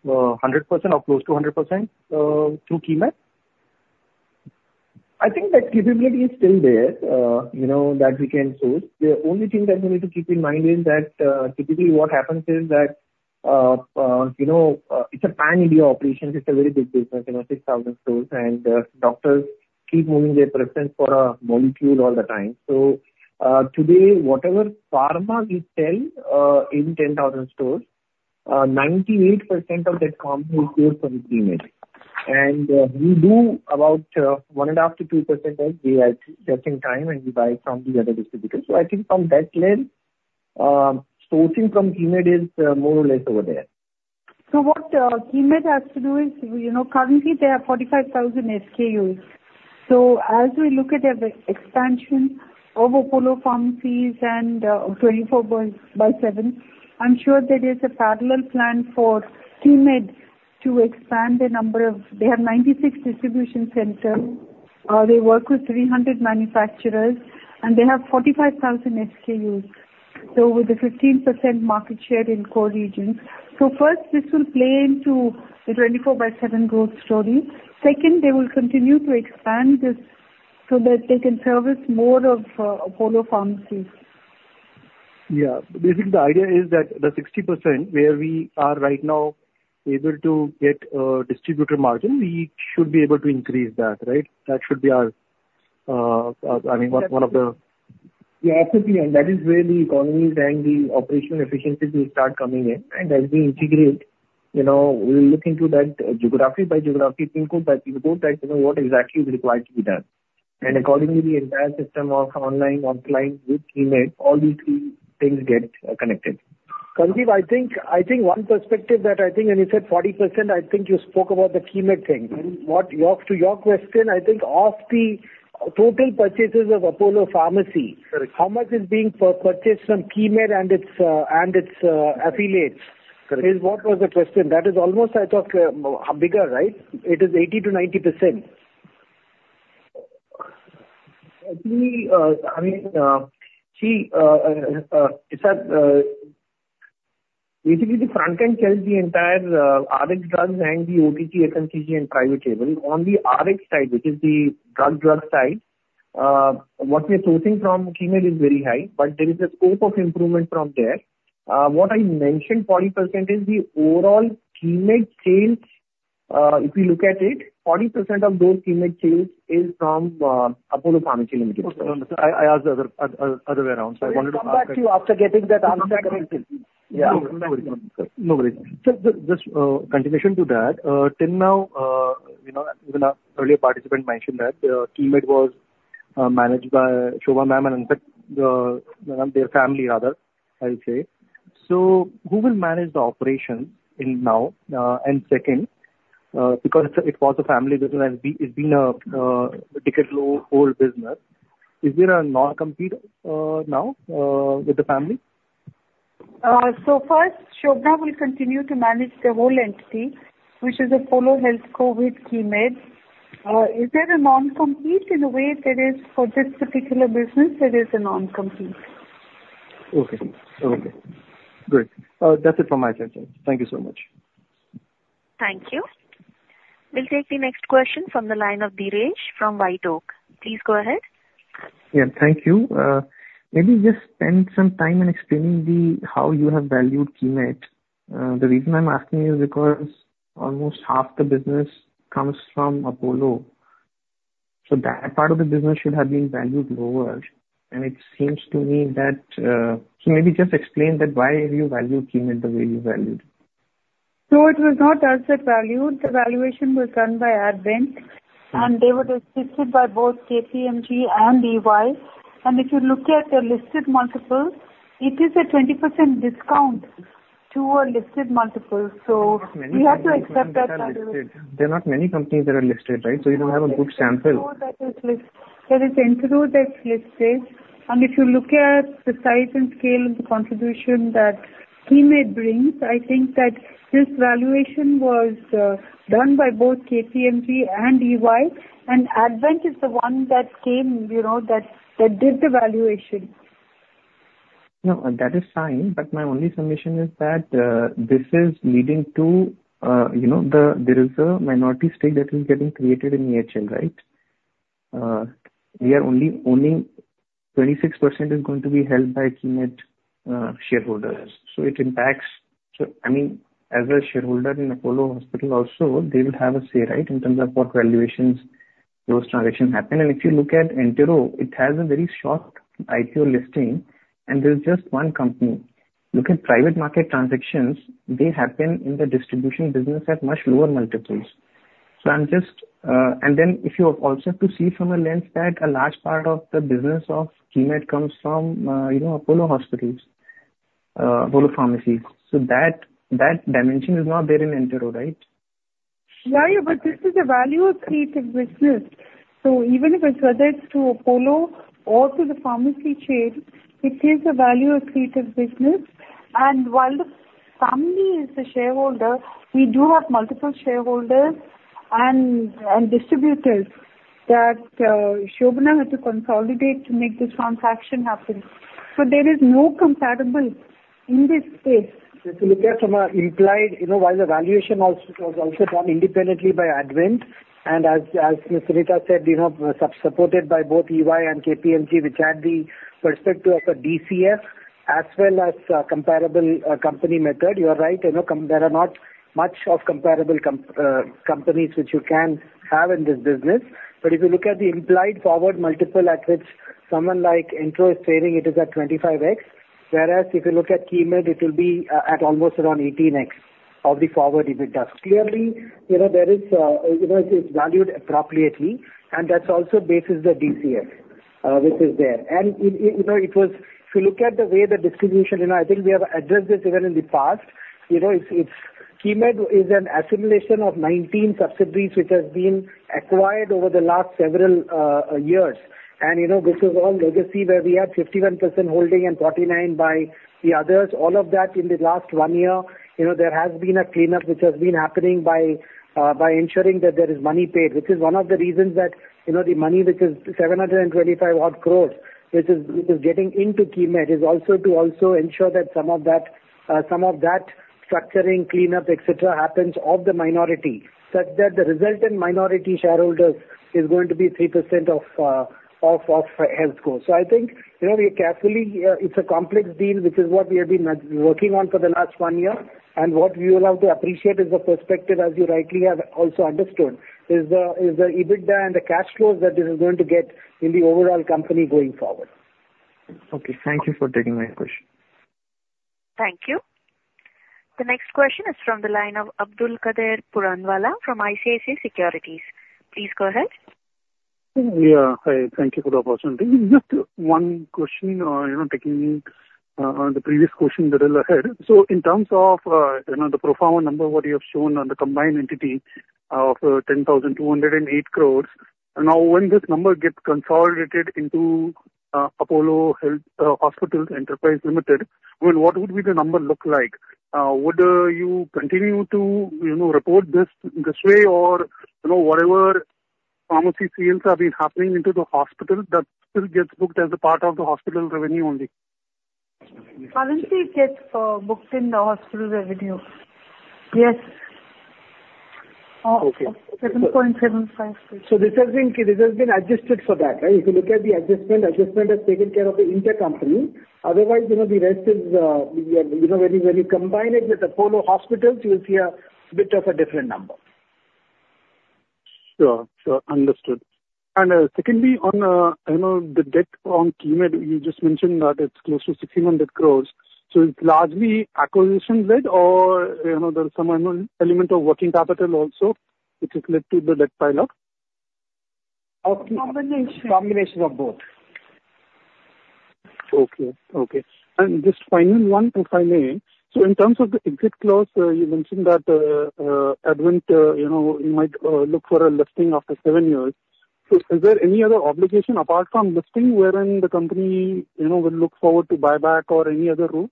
100% or close to 100%, through Keimed? I think that capability is still there, you know, that we can source. The only thing that we need to keep in mind is that, typically, what happens is that, you know, it's a pan-India operation. It's a very big business, you know, 6,000 stores. And, doctors keep moving their presence for a molecule all the time. So, today, whatever pharma we sell, in 10,000 stores, 98% of that pharma is good from Keimed. And, we do about, 1.5%-2% as we are testing time, and we buy it from the other distributors. So I think from that lens, sourcing from Keimed is, more or less over there. So what Keimed has to do is, you know, currently they have 45,000 SKUs. So as we look at the expansion of Apollo Pharmacies and 24/7, I'm sure there is a parallel plan for Keimed to expand the number of they have 96 distribution centers. They work with 300 manufacturers. And they have 45,000 SKUs, so with a 15% market share in core regions. So first, this will play into the 24/7 growth story. Second, they will continue to expand this so that they can service more of Apollo Pharmacies. Yeah. Basically, the idea is that the 60% where we are right now able to get a distributor margin, we should be able to increase that, right? That should be our, I mean, one, one of the. Yeah. Absolutely. And that is where the economies and the operational efficiencies will start coming in. And as we integrate, you know, we'll look into that geography by geography, PIN code by PIN code that, you know, what exactly is required to be done. And accordingly, the entire system of online, offline, with Keimed, all these three things get connected. Sanjiv, I think one perspective that I think and you said 40%. I think you spoke about the Keimed thing. And to your question, I think, of the total purchases of Apollo Pharmacy. Correct. How much is being purchased from Keimed and its affiliates? Correct. Is what was the question? That is almost, I thought, bigger, right? It is 80%-90%. Actually, I mean, see, it's that, basically, the front-end tells the entire, Rx Drugs and the OTC, FMCG, and private label. On the Rx side, which is the drug, drug side, what we are sourcing from Keimed is very high. But there is a scope of improvement from there. What I mentioned, 40%, is the overall Keimed sales, if we look at it, 40% of those Keimed sales is from, Apollo Pharmacy Limited. Okay. No, no, sir. I, I asked the other, other, other way around. So I wanted to ask you. I'll come back to you after getting that answer. Yeah. No worries. Sir, just continuation to that. Till now, you know, even an earlier participant mentioned that Keimed was managed by Shobana Kamineni, their family, rather, I would say. So who will manage the operations now, and second, because it was a family business and it's been a 50-year-old business? Is there a non-compete now with the family? First, Shobana will continue to manage the whole entity, which is Apollo HealthCo Keimed. Is there a non-compete in a way that is for this particular business, there is a non-compete? Okay. Okay. Great. That's it from my side, sir. Thank you so much. Thank you. We'll take the next question from the line of Dheeresh from WhiteOak. Please go ahead. Yeah. Thank you. Maybe just spend some time in explaining how you have valued Keimed. The reason I'm asking is because almost half the business comes from Apollo. So that part of the business should have been valued lower. And it seems to me that, so maybe just explain that why have you valued Keimed the way you valued it. It was not us that valued. The valuation was done by Advent. And they were assisted by both KPMG and EY. And if you look at the listed multiple, it is a 20% discount to a listed multiple. We have to accept that valuation. They're not many companies that are listed, right? So you don't have a good sample. So that is list that is entered that's listed. And if you look at the size and scale of the contribution that Keimed brings, I think that this valuation was done by both KPMG and EY. And Advent is the one that came, you know, that did the valuation. No, that is fine. But my only submission is that, this is leading to, you know, there is a minority stake that is getting created in AHL, right? We are only owning 26% is going to be held by Keimed shareholders. So it impacts, so I mean, as a shareholder in Apollo Hospitals also, they will have a say, right, in terms of what valuations those transactions happen. And if you look at Entero, it has a very short IPO listing. And there's just one company. Look at private market transactions. They happen in the distribution business at much lower multiples. So I'm just, and then if you also have to see from a lens that a large part of the business of Keimed comes from, you know, Apollo Hospitals, Apollo Pharmacies. So that, that dimension is not there in Entero, right? Yeah. Yeah. But this is a value-accretive business. So even if it's to Apollo or to the pharmacy chain, it is a value-accretive business. And while the family is the shareholder, we do have multiple shareholders and distributors that Shobana had to consolidate to make this transaction happen. So there is no comparable in this space. If you look at from an implied, you know, while the valuation also was done independently by Advent and as Ms. Suneeta said, you know, supported by both EY and KPMG, which had the perspective of a DCF as well as a comparable company method, you're right. You know, there are not many comparable comp companies which you can have in this business. But if you look at the implied forward multiple at which someone like Entero is saying it is at 25x, whereas if you look at Keimed, it will be at almost around 18x of the forward dividend. Clearly, you know, there is, you know, it's valued appropriately. And that's also based on the DCF, which is there. And it, you know, it was if you look at the way the distribution you know, I think we have addressed this even in the past. You know, it's Keimed is an assimilation of 19 subsidiaries which has been acquired over the last several years. And, you know, this is all legacy where we had 51% holding and 49% by the others. All of that in the last one year, you know, there has been a cleanup which has been happening by ensuring that there is money paid, which is one of the reasons that, you know, the money which is 725-odd crore, which is getting into Keimed, is also to ensure that some of that, some of that structuring, cleanup, etc., happens of the minority such that the resultant minority shareholders is going to be 3% of HealthCo. So I think, you know, we are carefully, it's a complex deal, which is what we have been working on for the last one year. What we will have to appreciate is the perspective, as you rightly have also understood, is the EBITDA and the cash flows that this is going to get in the overall company going forward. Okay. Thank you for taking my question. Thank you. The next question is from the line of Abdul Puranwala from ICICI Securities. Please go ahead. Yeah. Hi. Thank you for the opportunity. Just one question, you know, taking on the previous question that I had. So in terms of, you know, the pro forma number what you have shown on the combined entity of 10,208 crore, now, when this number gets consolidated into Apollo Hospitals Enterprise Limited, I mean, what would the number look like? Would you continue to, you know, report this this way or, you know, whatever pharmacy sales have been happening into the hospital that still gets booked as a part of the hospital revenue only? Currently, it gets booked in the hospital revenue. Yes. Okay. 7.756. So this has been adjusted for that, right? If you look at the adjustment, adjustment has taken care of the intercompany. Otherwise, you know, the rest is, you know, when you combine it with Apollo Hospitals, you will see a bit of a different number. Sure. Sure. Understood. And, secondly, on, you know, the debt on Keimed, you just mentioned that it's close to 610 crore. So it's largely acquisition-led or, you know, there's some, you know, element of working capital also which has led to the debt pileup? A combination. Combination of both. Okay. Okay. And just final one, if I may. So in terms of the exit clause, you mentioned that, Advent, you know, you might look for a listing after seven years. So is there any other obligation apart from listing wherein the company, you know, will look forward to buyback or any other route?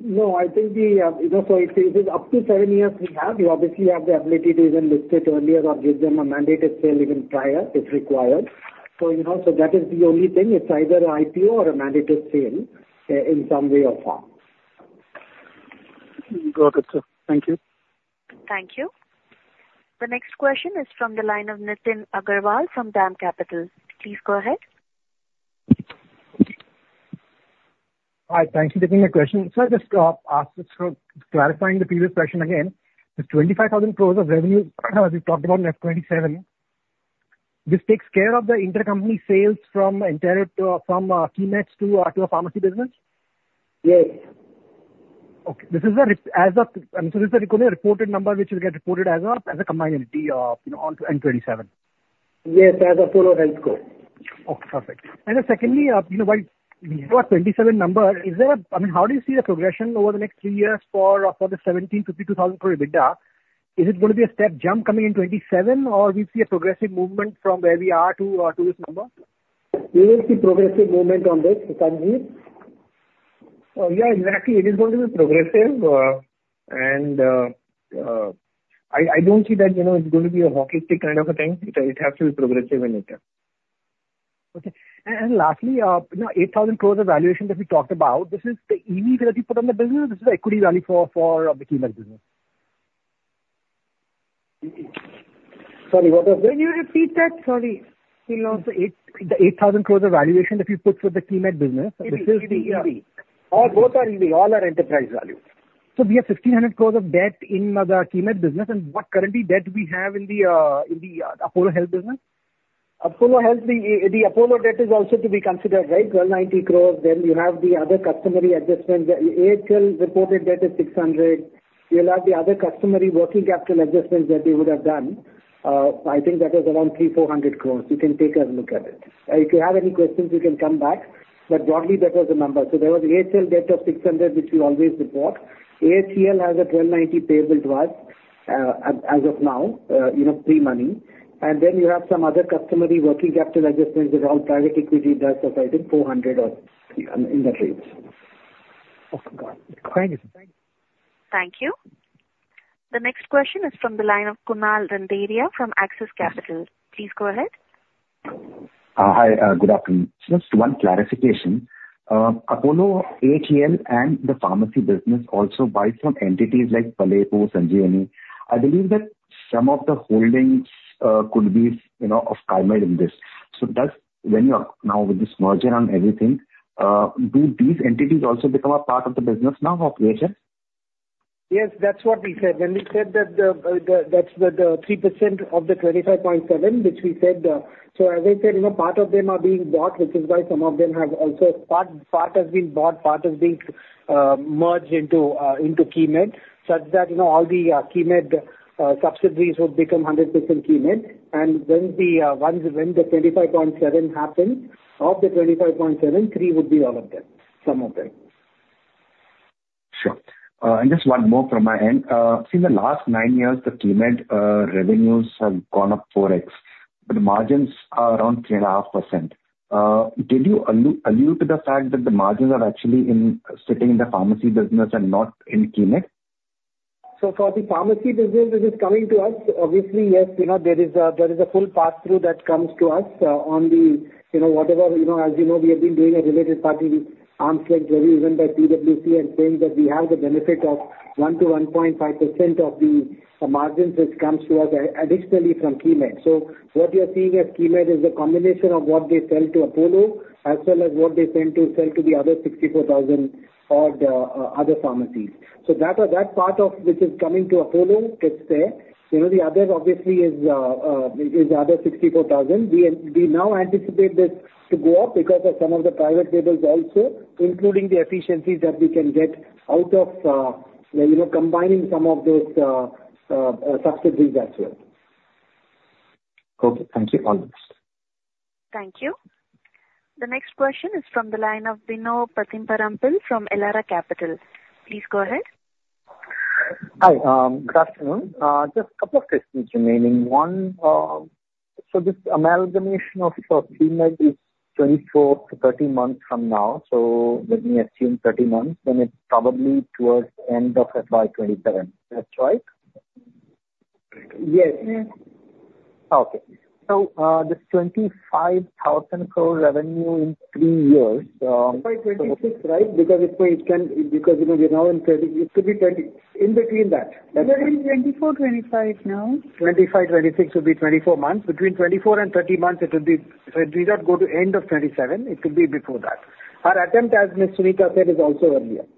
No. I think the, you know, so if it is up to 7 years we have, we obviously have the ability to even list it earlier or give them a mandated sale even prior if required. So, you know, so that is the only thing. It's either an IPO or a mandated sale, in some way or form. Got it, sir. Thank you. Thank you. The next question is from the line of Nitin Agarwal from DAM Capital. Please go ahead. Hi. Thank you for taking my question. So I just asked for clarifying the previous question again. This 25,000 crore of revenue, as we've talked about in FY27, this takes care of the intercompany sales from Entero to Keimed to a pharmacy business? Yes. Okay. This is, I mean, so this is the reported number which will get reported as a combined entity of, you know, Apollo 24/7? Yes. As Apollo HealthCo. Okay. Perfect. And then secondly, you know, while we have a 27 number, is there a, I mean, how do you see the progression over the next three years for the 1,752,000 crore EBITDA? Is it going to be a step jump coming in 2027, or we see a progressive movement from where we are to this number? We will see progressive movement on this, Sanjiv. Yeah. Exactly. It is going to be progressive. I, I don't see that, you know, it's going to be a hockey stick kind of a thing. It, it has to be progressive in it. Okay. And lastly, you know, 8,000 crore valuation that we talked about, this is the EV value put on the business or this is the equity value for the Keimed business? Sorry. What was that? Can you repeat that? Sorry. We lost The 8,000 crore of valuation that you put for the Keimed business. This is the EV. All both are EV. All are Enterprise Value. So we have 1,500 crore of debt in the Keimed business. And what current debt do we have in the Apollo Health business? Apollo Health, the Apollo debt is also to be considered, right? Well, 90 crore. Then you have the other customary adjustments. The AHL reported debt is 600 crore. You'll have the other customary working capital adjustments that they would have done. I think that was around 3,400 crore. You can take a look at it. If you have any questions, you can come back. But broadly, that was the number. So there was AHL debt of 600 crore which we always report. AHL has a 1,290 crore payable to us, as of now, you know, pre-money. And then you have some other customary working capital adjustments that all private equity does of, I think, 400 crore or in that range. Okay. Got it. Thank you. Thank you. The next question is from the line of Kunal Randeria from Axis Capital. Please go ahead. Hi. Good afternoon. Just one clarification. Apollo, AHL, and the pharmacy business also buy from entities like Palepu, Sanjiv Gupta. I believe that some of the holdings could be, you know, of Keimed in this. So does, when you are now with this merger on everything, do these entities also become a part of the business now of AHL? Yes. That's what we said. When we said that, that's the 3% of the 25.7 which we said, so as I said, you know, part of them are being bought, which is why some of them have also part has been bought, part has been merged into Keimed such that, you know, all the Keimed subsidiaries would become 100% Keimed. And then, once when the 25.7 happens of the 25.7, there would be all of them, some of them. Sure. Just one more from my end. In the last nine years, the Keimed revenues have gone up 4x. But the margins are around 3.5%. Did you allude to the fact that the margins are actually sitting in the pharmacy business and not in Keimed? So for the pharmacy business which is coming to us, obviously, yes. You know, there is a full pass-through that comes to us, on the, you know, whatever you know, as you know, we have been doing a related party arm's-length review even by PwC and saying that we have the benefit of 1%-1.5% of the margins which comes to us additionally from Keimed. So what you're seeing at Keimed is a combination of what they sell to Apollo as well as what they send to sell to the other 64,000-odd other pharmacies. So that, that part of which is coming to Apollo gets there. You know, the other, obviously, is the other 64,000. We now anticipate this to go up because of some of the private labels also, including the efficiencies that we can get out of, you know, combining some of those subsidiaries as well. Okay. Thank you. All the best. Thank you. The next question is from the line of Bino Pathiparampil from Elara Capital. Please go ahead. Hi. Good afternoon. Just a couple of questions remaining. One, so this amalgamation of, Keimed is 24-30 months from now. So let me assume 30 months. Then it's probably towards the end of FY27. That's right? Yes. Yes. Okay. So, this 25,000 crore revenue in three years. By 2026, right? Because it's when it can, you know, we're now in 2020. It could be 2020 in between that. We are in 2024, 2025 now. 2025, 2026 would be 24 months. Between 24 and 30 months, it would be if we do not go to end of 2027, it could be before that. Our attempt, as Ms. Suneeta said, is also earlier.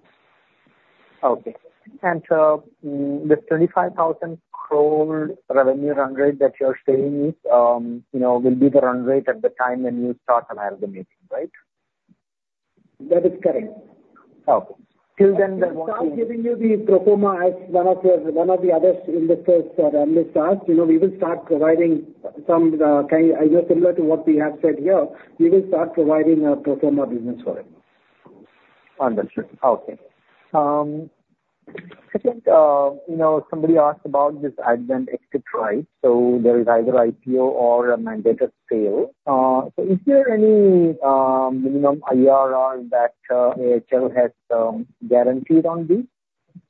Okay. This 25,000 crore revenue run rate that you're saying is, you know, will be the run rate at the time when you start amalgamating, right? That is correct. Okay. Till then, we won't be. We will start giving you the pro forma as one of the other investors that Ambit asked. You know, we will start providing some, kind of, you know, similar to what we have said here. We will start providing a pro forma business for it. Understood. Okay. I think, you know, somebody asked about this Advent exit right. So there is either IPO or a mandated sale. So is there any minimum IRR that AHL has guaranteed on this?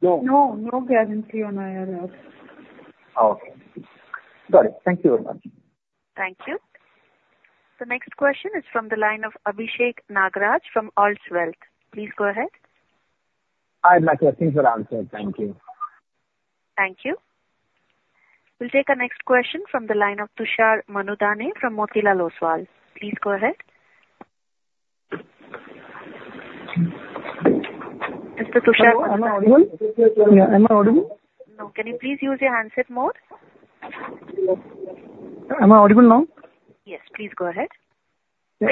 No. No. No guarantee on IRR. Okay. Got it. Thank you very much. Thank you. The next question is from the line of Abhishek Nagaraj from Old Bridge Capital Management. Please go ahead. Hi, Maghar. Things are all set. Thank you. Thank you. We'll take our next question from the line of Tushar Manudhane from Motilal Oswal. Please go ahead. Mr. Tushar. Hello. Am I audible? Yeah. Am I audible? No. Can you please use your handset mode? Am I audible now? Yes. Please go ahead. Yeah.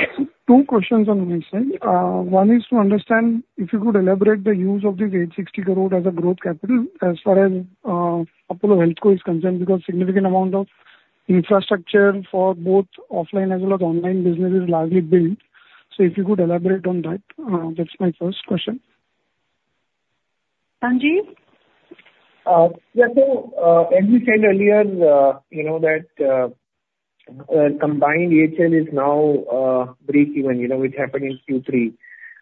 Two questions on this end. One is to understand if you could elaborate the use of this 860 crore as a growth capital as far as Apollo HealthCo is concerned because significant amount of infrastructure for both offline as well as online business is largely built. So if you could elaborate on that, that's my first question. Sanjiv? Yeah. So, as we said earlier, you know, that combined AHL is now break-even, you know, which happened in Q3.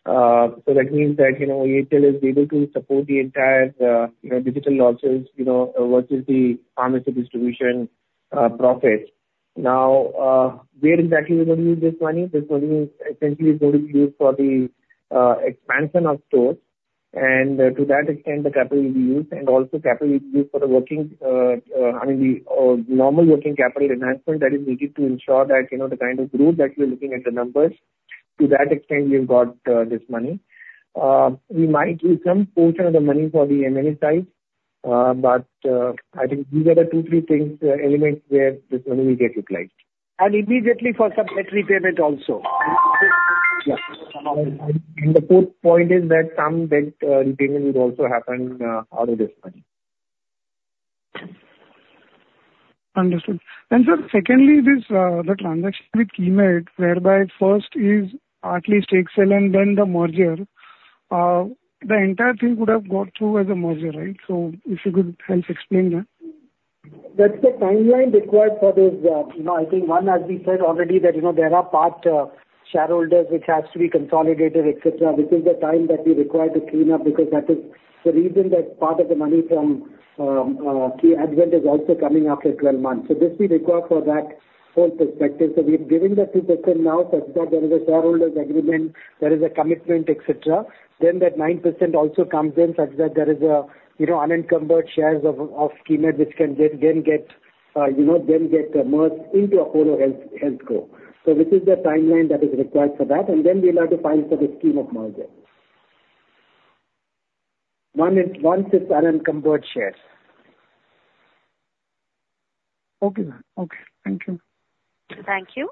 So that means that, you know, AHL is able to support the entire, you know, digital losses, you know, versus the pharmacy distribution profit. Now, where exactly we're going to use this money? This money essentially is going to be used for the expansion of stores. And, to that extent, the capital will be used. And also, capital will be used for the working, I mean, the normal working capital enhancement that is needed to ensure that, you know, the kind of growth that we're looking at the numbers, to that extent, we have got this money. We might use some portion of the money for the M&A side. But I think these are the two, three things, elements where this money will get utilized. Immediately for some debt repayment also. Yeah. Some of this. The fourth point is that some debt repayment will also happen out of this money. Understood. Sir, secondly, this, the transaction with Keimed whereby first acquisition, and then the merger, the entire thing could have gone through as a merger, right? So if you could help explain that. That's the timeline required for those, you know, I think one, as we said already, that, you know, there are party shareholders which has to be consolidated, etc. This is the time that we require to clean up because that is the reason that part of the money from Keimed, Advent is also coming after 12 months. So this will be required for that whole perspective. So we're giving the 2% now such that there is a shareholders' agreement, there is a commitment, etc. Then that 9% also comes in such that there is a, you know, unencumbered shares of Keimed which can then get, you know, then get merged into Apollo HealthCo. So this is the timeline that is required for that. And then we'll have to file for the scheme of merger. One is once it's unencumbered shares. Okay. Okay. Thank you. Thank you.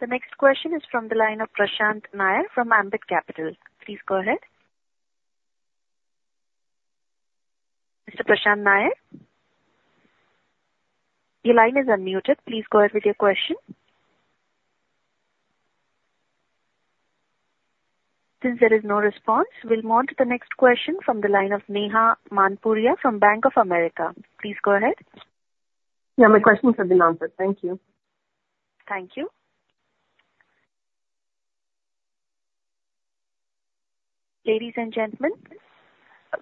The next question is from the line of Prashant Nair from Ambit Capital. Please go ahead. Mr. Prashant Nair? Your line is unmuted. Please go ahead with your question. Since there is no response, we'll move on to the next question from the line of Neha Manpuria from Bank of America. Please go ahead. Yeah. My questions have been answered. Thank you. Thank you. Ladies and gentlemen,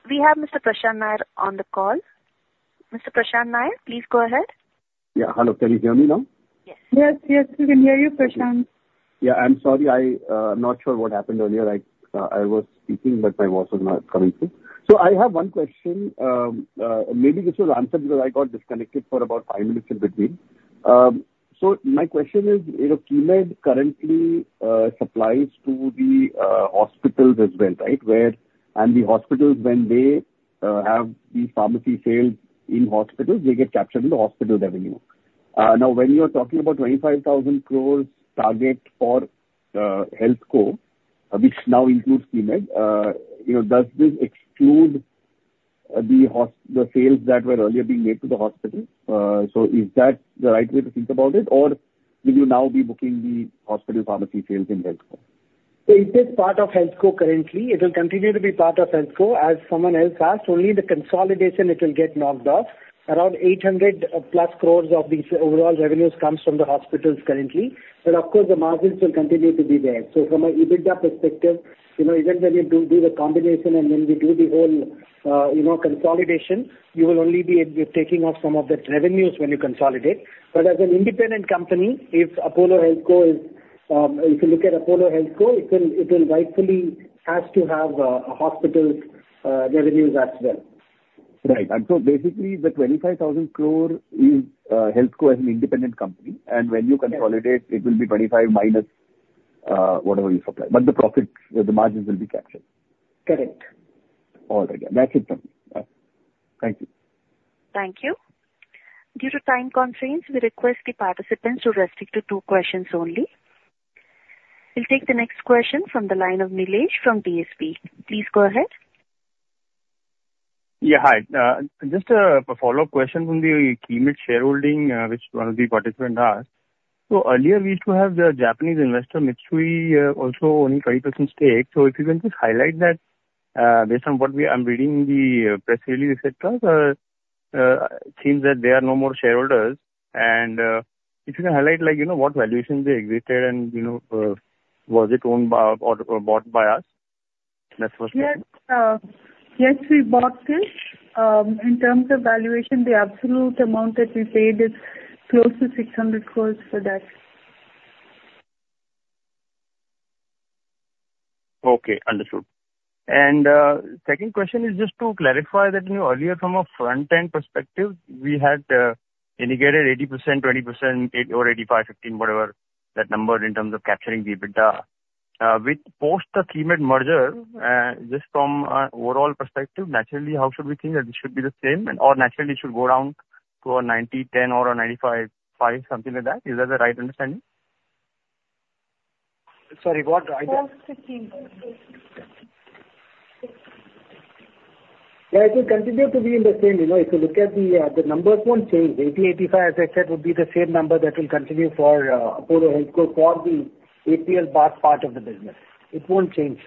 we have Mr. Prashant Nair on the call. Mr. Prashant Nair, please go ahead. Yeah. Hello. Can you hear me now? Yes. Yes. Yes. We can hear you, Prashant. Yeah. I'm sorry. I'm not sure what happened earlier. I was speaking, but my voice was not coming through. So I have one question. Maybe this was answered because I got disconnected for about five minutes in between. So my question is, you know, Keimed currently supplies to the hospitals as well, right? And the hospitals, when they have these pharmacy sales in hospitals, they get captured in the hospital revenue. Now, when you're talking about 25,000 crore target for HealthCo, which now includes Keimed, you know, does this exclude the hospital sales that were earlier being made to the hospitals? So is that the right way to think about it, or will you now be booking the hospital pharmacy sales in HealthCo? So it is part of HealthCo currently. It will continue to be part of HealthCo. As someone else asked, only the consolidation it will get knocked off. Around 800+ crore of these overall revenues comes from the hospitals currently. But, of course, the margins will continue to be there. So from an EBITDA perspective, you know, even when you do the combination and then we do the whole, you know, consolidation, you will only be taking off some of the revenues when you consolidate. But as an independent company, if Apollo HealthCo is, if you look at Apollo HealthCo, it will rightfully have to have hospitals revenues as well. Right. So basically, the 25,000 crore is HealthCo as an independent company. When you consolidate, it will be 25,000 minus whatever you supply. But the profits, the margins will be captured. Correct. All right. That's it from me. Thank you. Thank you. Due to time constraints, we request the participants to restrict to two questions only. We'll take the next question from the line of Nilesh from DSP. Please go ahead. Yeah. Hi. Just a follow-up question from the Keimed shareholding, which one of the participants asked. So earlier, we used to have the Japanese investor Mitsui, also only 30% stake. So if you can just highlight that, based on what I'm reading in the press release, etc., it seems that there are no more shareholders. And, if you can highlight, like, you know, what valuation they exited and, you know, was it owned or bought by us? That's the first question. Yes. Yes, we bought them. In terms of valuation, the absolute amount that we paid is close to 600 crore for that. Okay. Understood. And, second question is just to clarify that, you know, earlier, from a front-end perspective, we had indicated 80%, 20%, or 85%, 15%, whatever that number in terms of capturing the EBITDA with post the Keimed merger, just from an overall perspective, naturally, how should we think that this should be the same? And/or naturally, it should go down to a 90%, 10%, or a 95%, 5%, something like that. Is that the right understanding? Sorry. What? It was 15. Yeah. It will continue to be in the same. You know, if you look at the, the numbers won't change. 80-85, as I said, would be the same number that will continue for Apollo HealthCo for the APL part of the business. It won't change.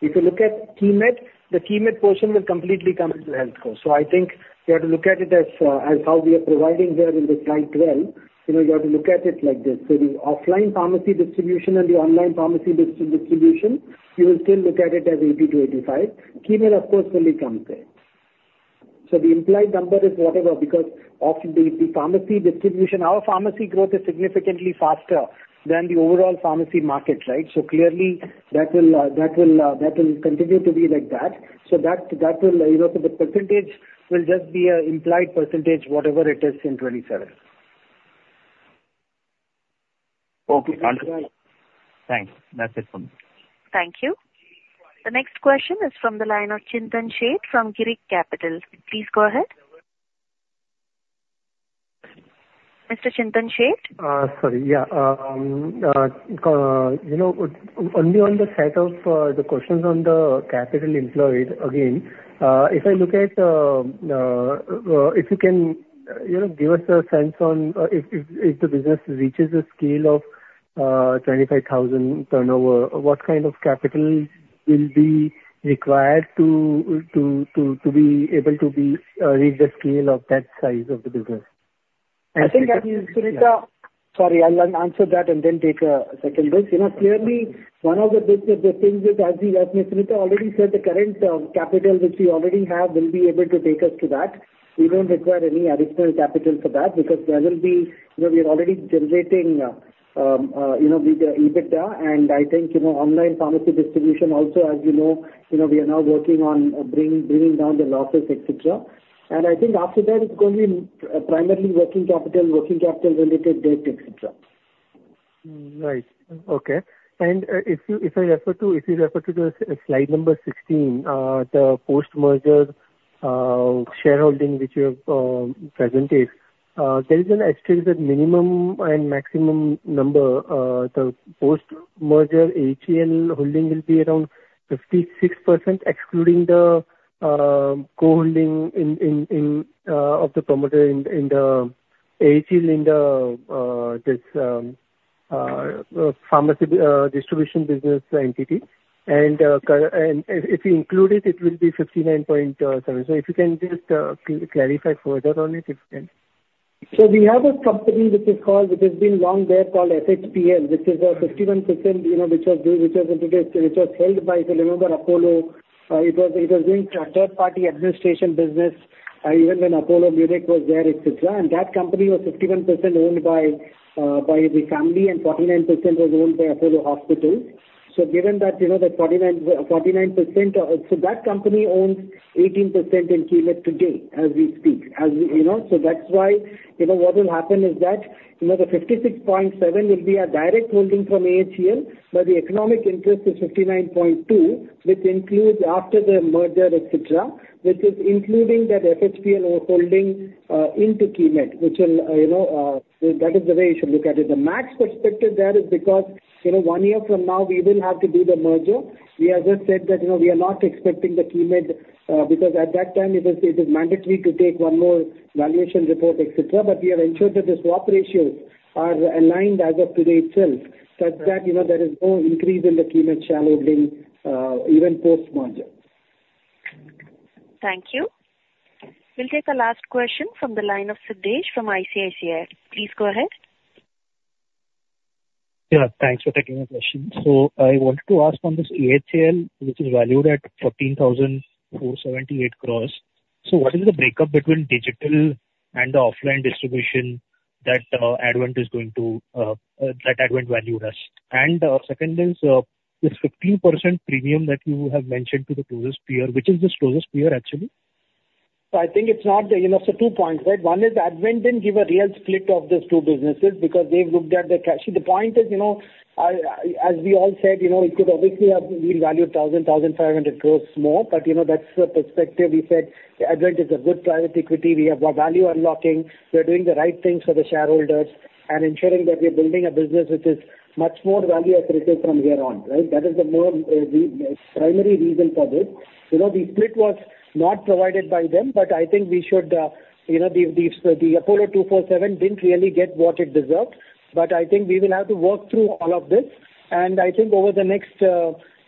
If you look at Keimed, the Keimed portion will completely come into HealthCo. So I think you have to look at it as, as how we are providing here in the Slide 12. You know, you have to look at it like this. So the offline pharmacy distribution and the online pharmacy distribution, you will still look at it as 80-85. Keimed, of course, will be coming there. So the implied number is whatever because of the, the pharmacy distribution, our pharmacy growth is significantly faster than the overall pharmacy market, right? So clearly, that will continue to be like that. So that will, you know, so the percentage will just be an implied percentage, whatever it is in 2027. Okay. Understood. That's right. Thanks. That's it from me. Thank you. The next question is from the line of Chintan Sheth from Girik Capital. Please go ahead. Mr. Chintan Sheth? Sorry. Yeah. You know, only on the set of the questions on the capital employed, again, if I look at, if you can, you know, give us a sense on, if the business reaches the scale of 25,000 turnover, what kind of capital will be required to be able to reach the scale of that size of the business? I think, as you, Suneeta, sorry. I'll answer that and then take a second at this. You know, clearly, one of the big things is, as you, as Ms. Suneeta already said, the current capital which we already have will be able to take us to that. We don't require any additional capital for that because there will be, you know, we are already generating, you know, the EBITDA. And I think, you know, online pharmacy distribution also, as you know, you know, we are now working on bringing down the losses, etc. And I think after that, it's going to be primarily working capital, working capital-related debt, etc. Right. Okay. And if you refer to the slide number 16, the post-merger shareholding which you have presented, there is an asterisk that minimum and maximum number, the post-merger AHL holding will be around 56% excluding the co-holding of the promoter in the AHL in this pharmacy distribution business entity. And currently if you include it, it will be 59.7%. So if you can just clarify further on it. So we have a company which is called, which has been there long, called SHPL, which is a 51%, you know, which was doing, which was introduced, which was held by, if you remember, Apollo. It was doing third-party administration business, even when Apollo Munich was there, etc. And that company was 51% owned by the family, and 49% was owned by Apollo Hospitals. So given that, you know, that 49% of, so that company owns 18% in Keimed today as we speak, as we, you know? So that's why, you know, what will happen is that, you know, the 56.7 will be a direct holding from AHL, but the economic interest is 59.2, which includes after the merger, etc., which is including that SHPL holding into Keimed, which will, you know, that is the way you should look at it. The max perspective there is because, you know, one year from now, we will have to do the merger. We have just said that, you know, we are not expecting the Keimed, because at that time, it is mandatory to take one more valuation report, etc. But we have ensured that the swap ratios are aligned as of today itself such that, you know, there is no increase in the Keimed shareholding, even post-merger. Thank you. We'll take a last question from the line of Siddhesh from ICICI. Please go ahead. Yeah. Thanks for taking my question. So I wanted to ask on this AHL, which is valued at 14,478 crore. So what is the breakup between digital and the offline distribution that, Advent is going to, that Advent valued us? And, second is, this 15% premium that you have mentioned to the closest peer, which is this closest peer, actually? So I think it's not, you know, so two points, right? One is Advent didn't give a real split of these two businesses because they've looked at the cash flow. The point is, you know, I as we all said, you know, it could obviously have been valued 1,000 crores-1,500 crores more. But, you know, that's the perspective. We said Advent is a good private equity. We have value unlocking. We are doing the right things for the shareholders and ensuring that we are building a business which is much more value-added from here on, right? That is the more primary reason for this. You know, the split was not provided by them, but I think we should, you know, the Apollo 24/7 didn't really get what it deserved. But I think we will have to work through all of this. I think over the next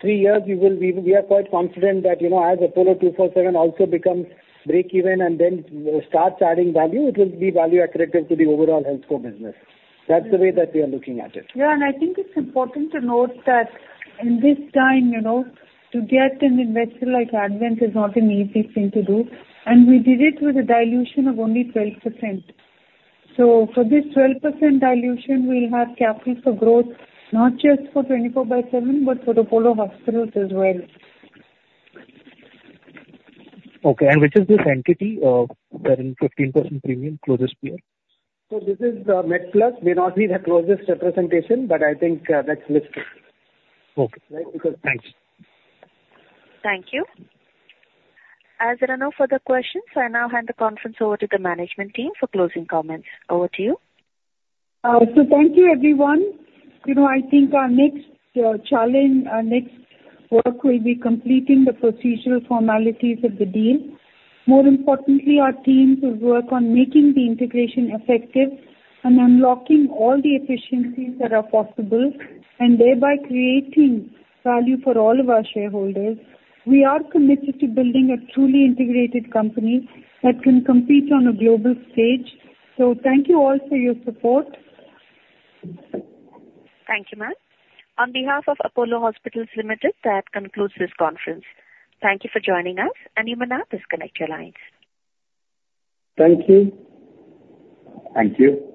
three years, we are quite confident that, you know, as Apollo 24/7 also becomes break-even and then starts adding value, it will be value-added to the overall HealthCo business. That's the way that we are looking at it. Yeah. And I think it's important to note that in this time, you know, to get an investor like Advent is not an easy thing to do. And we did it with a dilution of only 12%. So for this 12% dilution, we'll have capital for growth not just for 24/7 but for Apollo Hospitals as well. Okay. Which is this entity that in 15% premium, closest peer? So this is MedPlus, may not be the closest representation, but I think that's listed. Okay. Right? Because. Thanks. Thank you. As there are no further questions, I now hand the conference over to the management team for closing comments. Over to you. So thank you, everyone. You know, I think our next challenge, our next work will be completing the procedural formalities of the deal. More importantly, our team will work on making the integration effective and unlocking all the efficiencies that are possible and thereby creating value for all of our shareholders. We are committed to building a truly integrated company that can compete on a global stage. So thank you all for your support. Thank you, Ma'am. On behalf of Apollo Hospitals Enterprise Limited, that concludes this conference. Thank you for joining us. You may now disconnect your lines. Thank you. Thank you.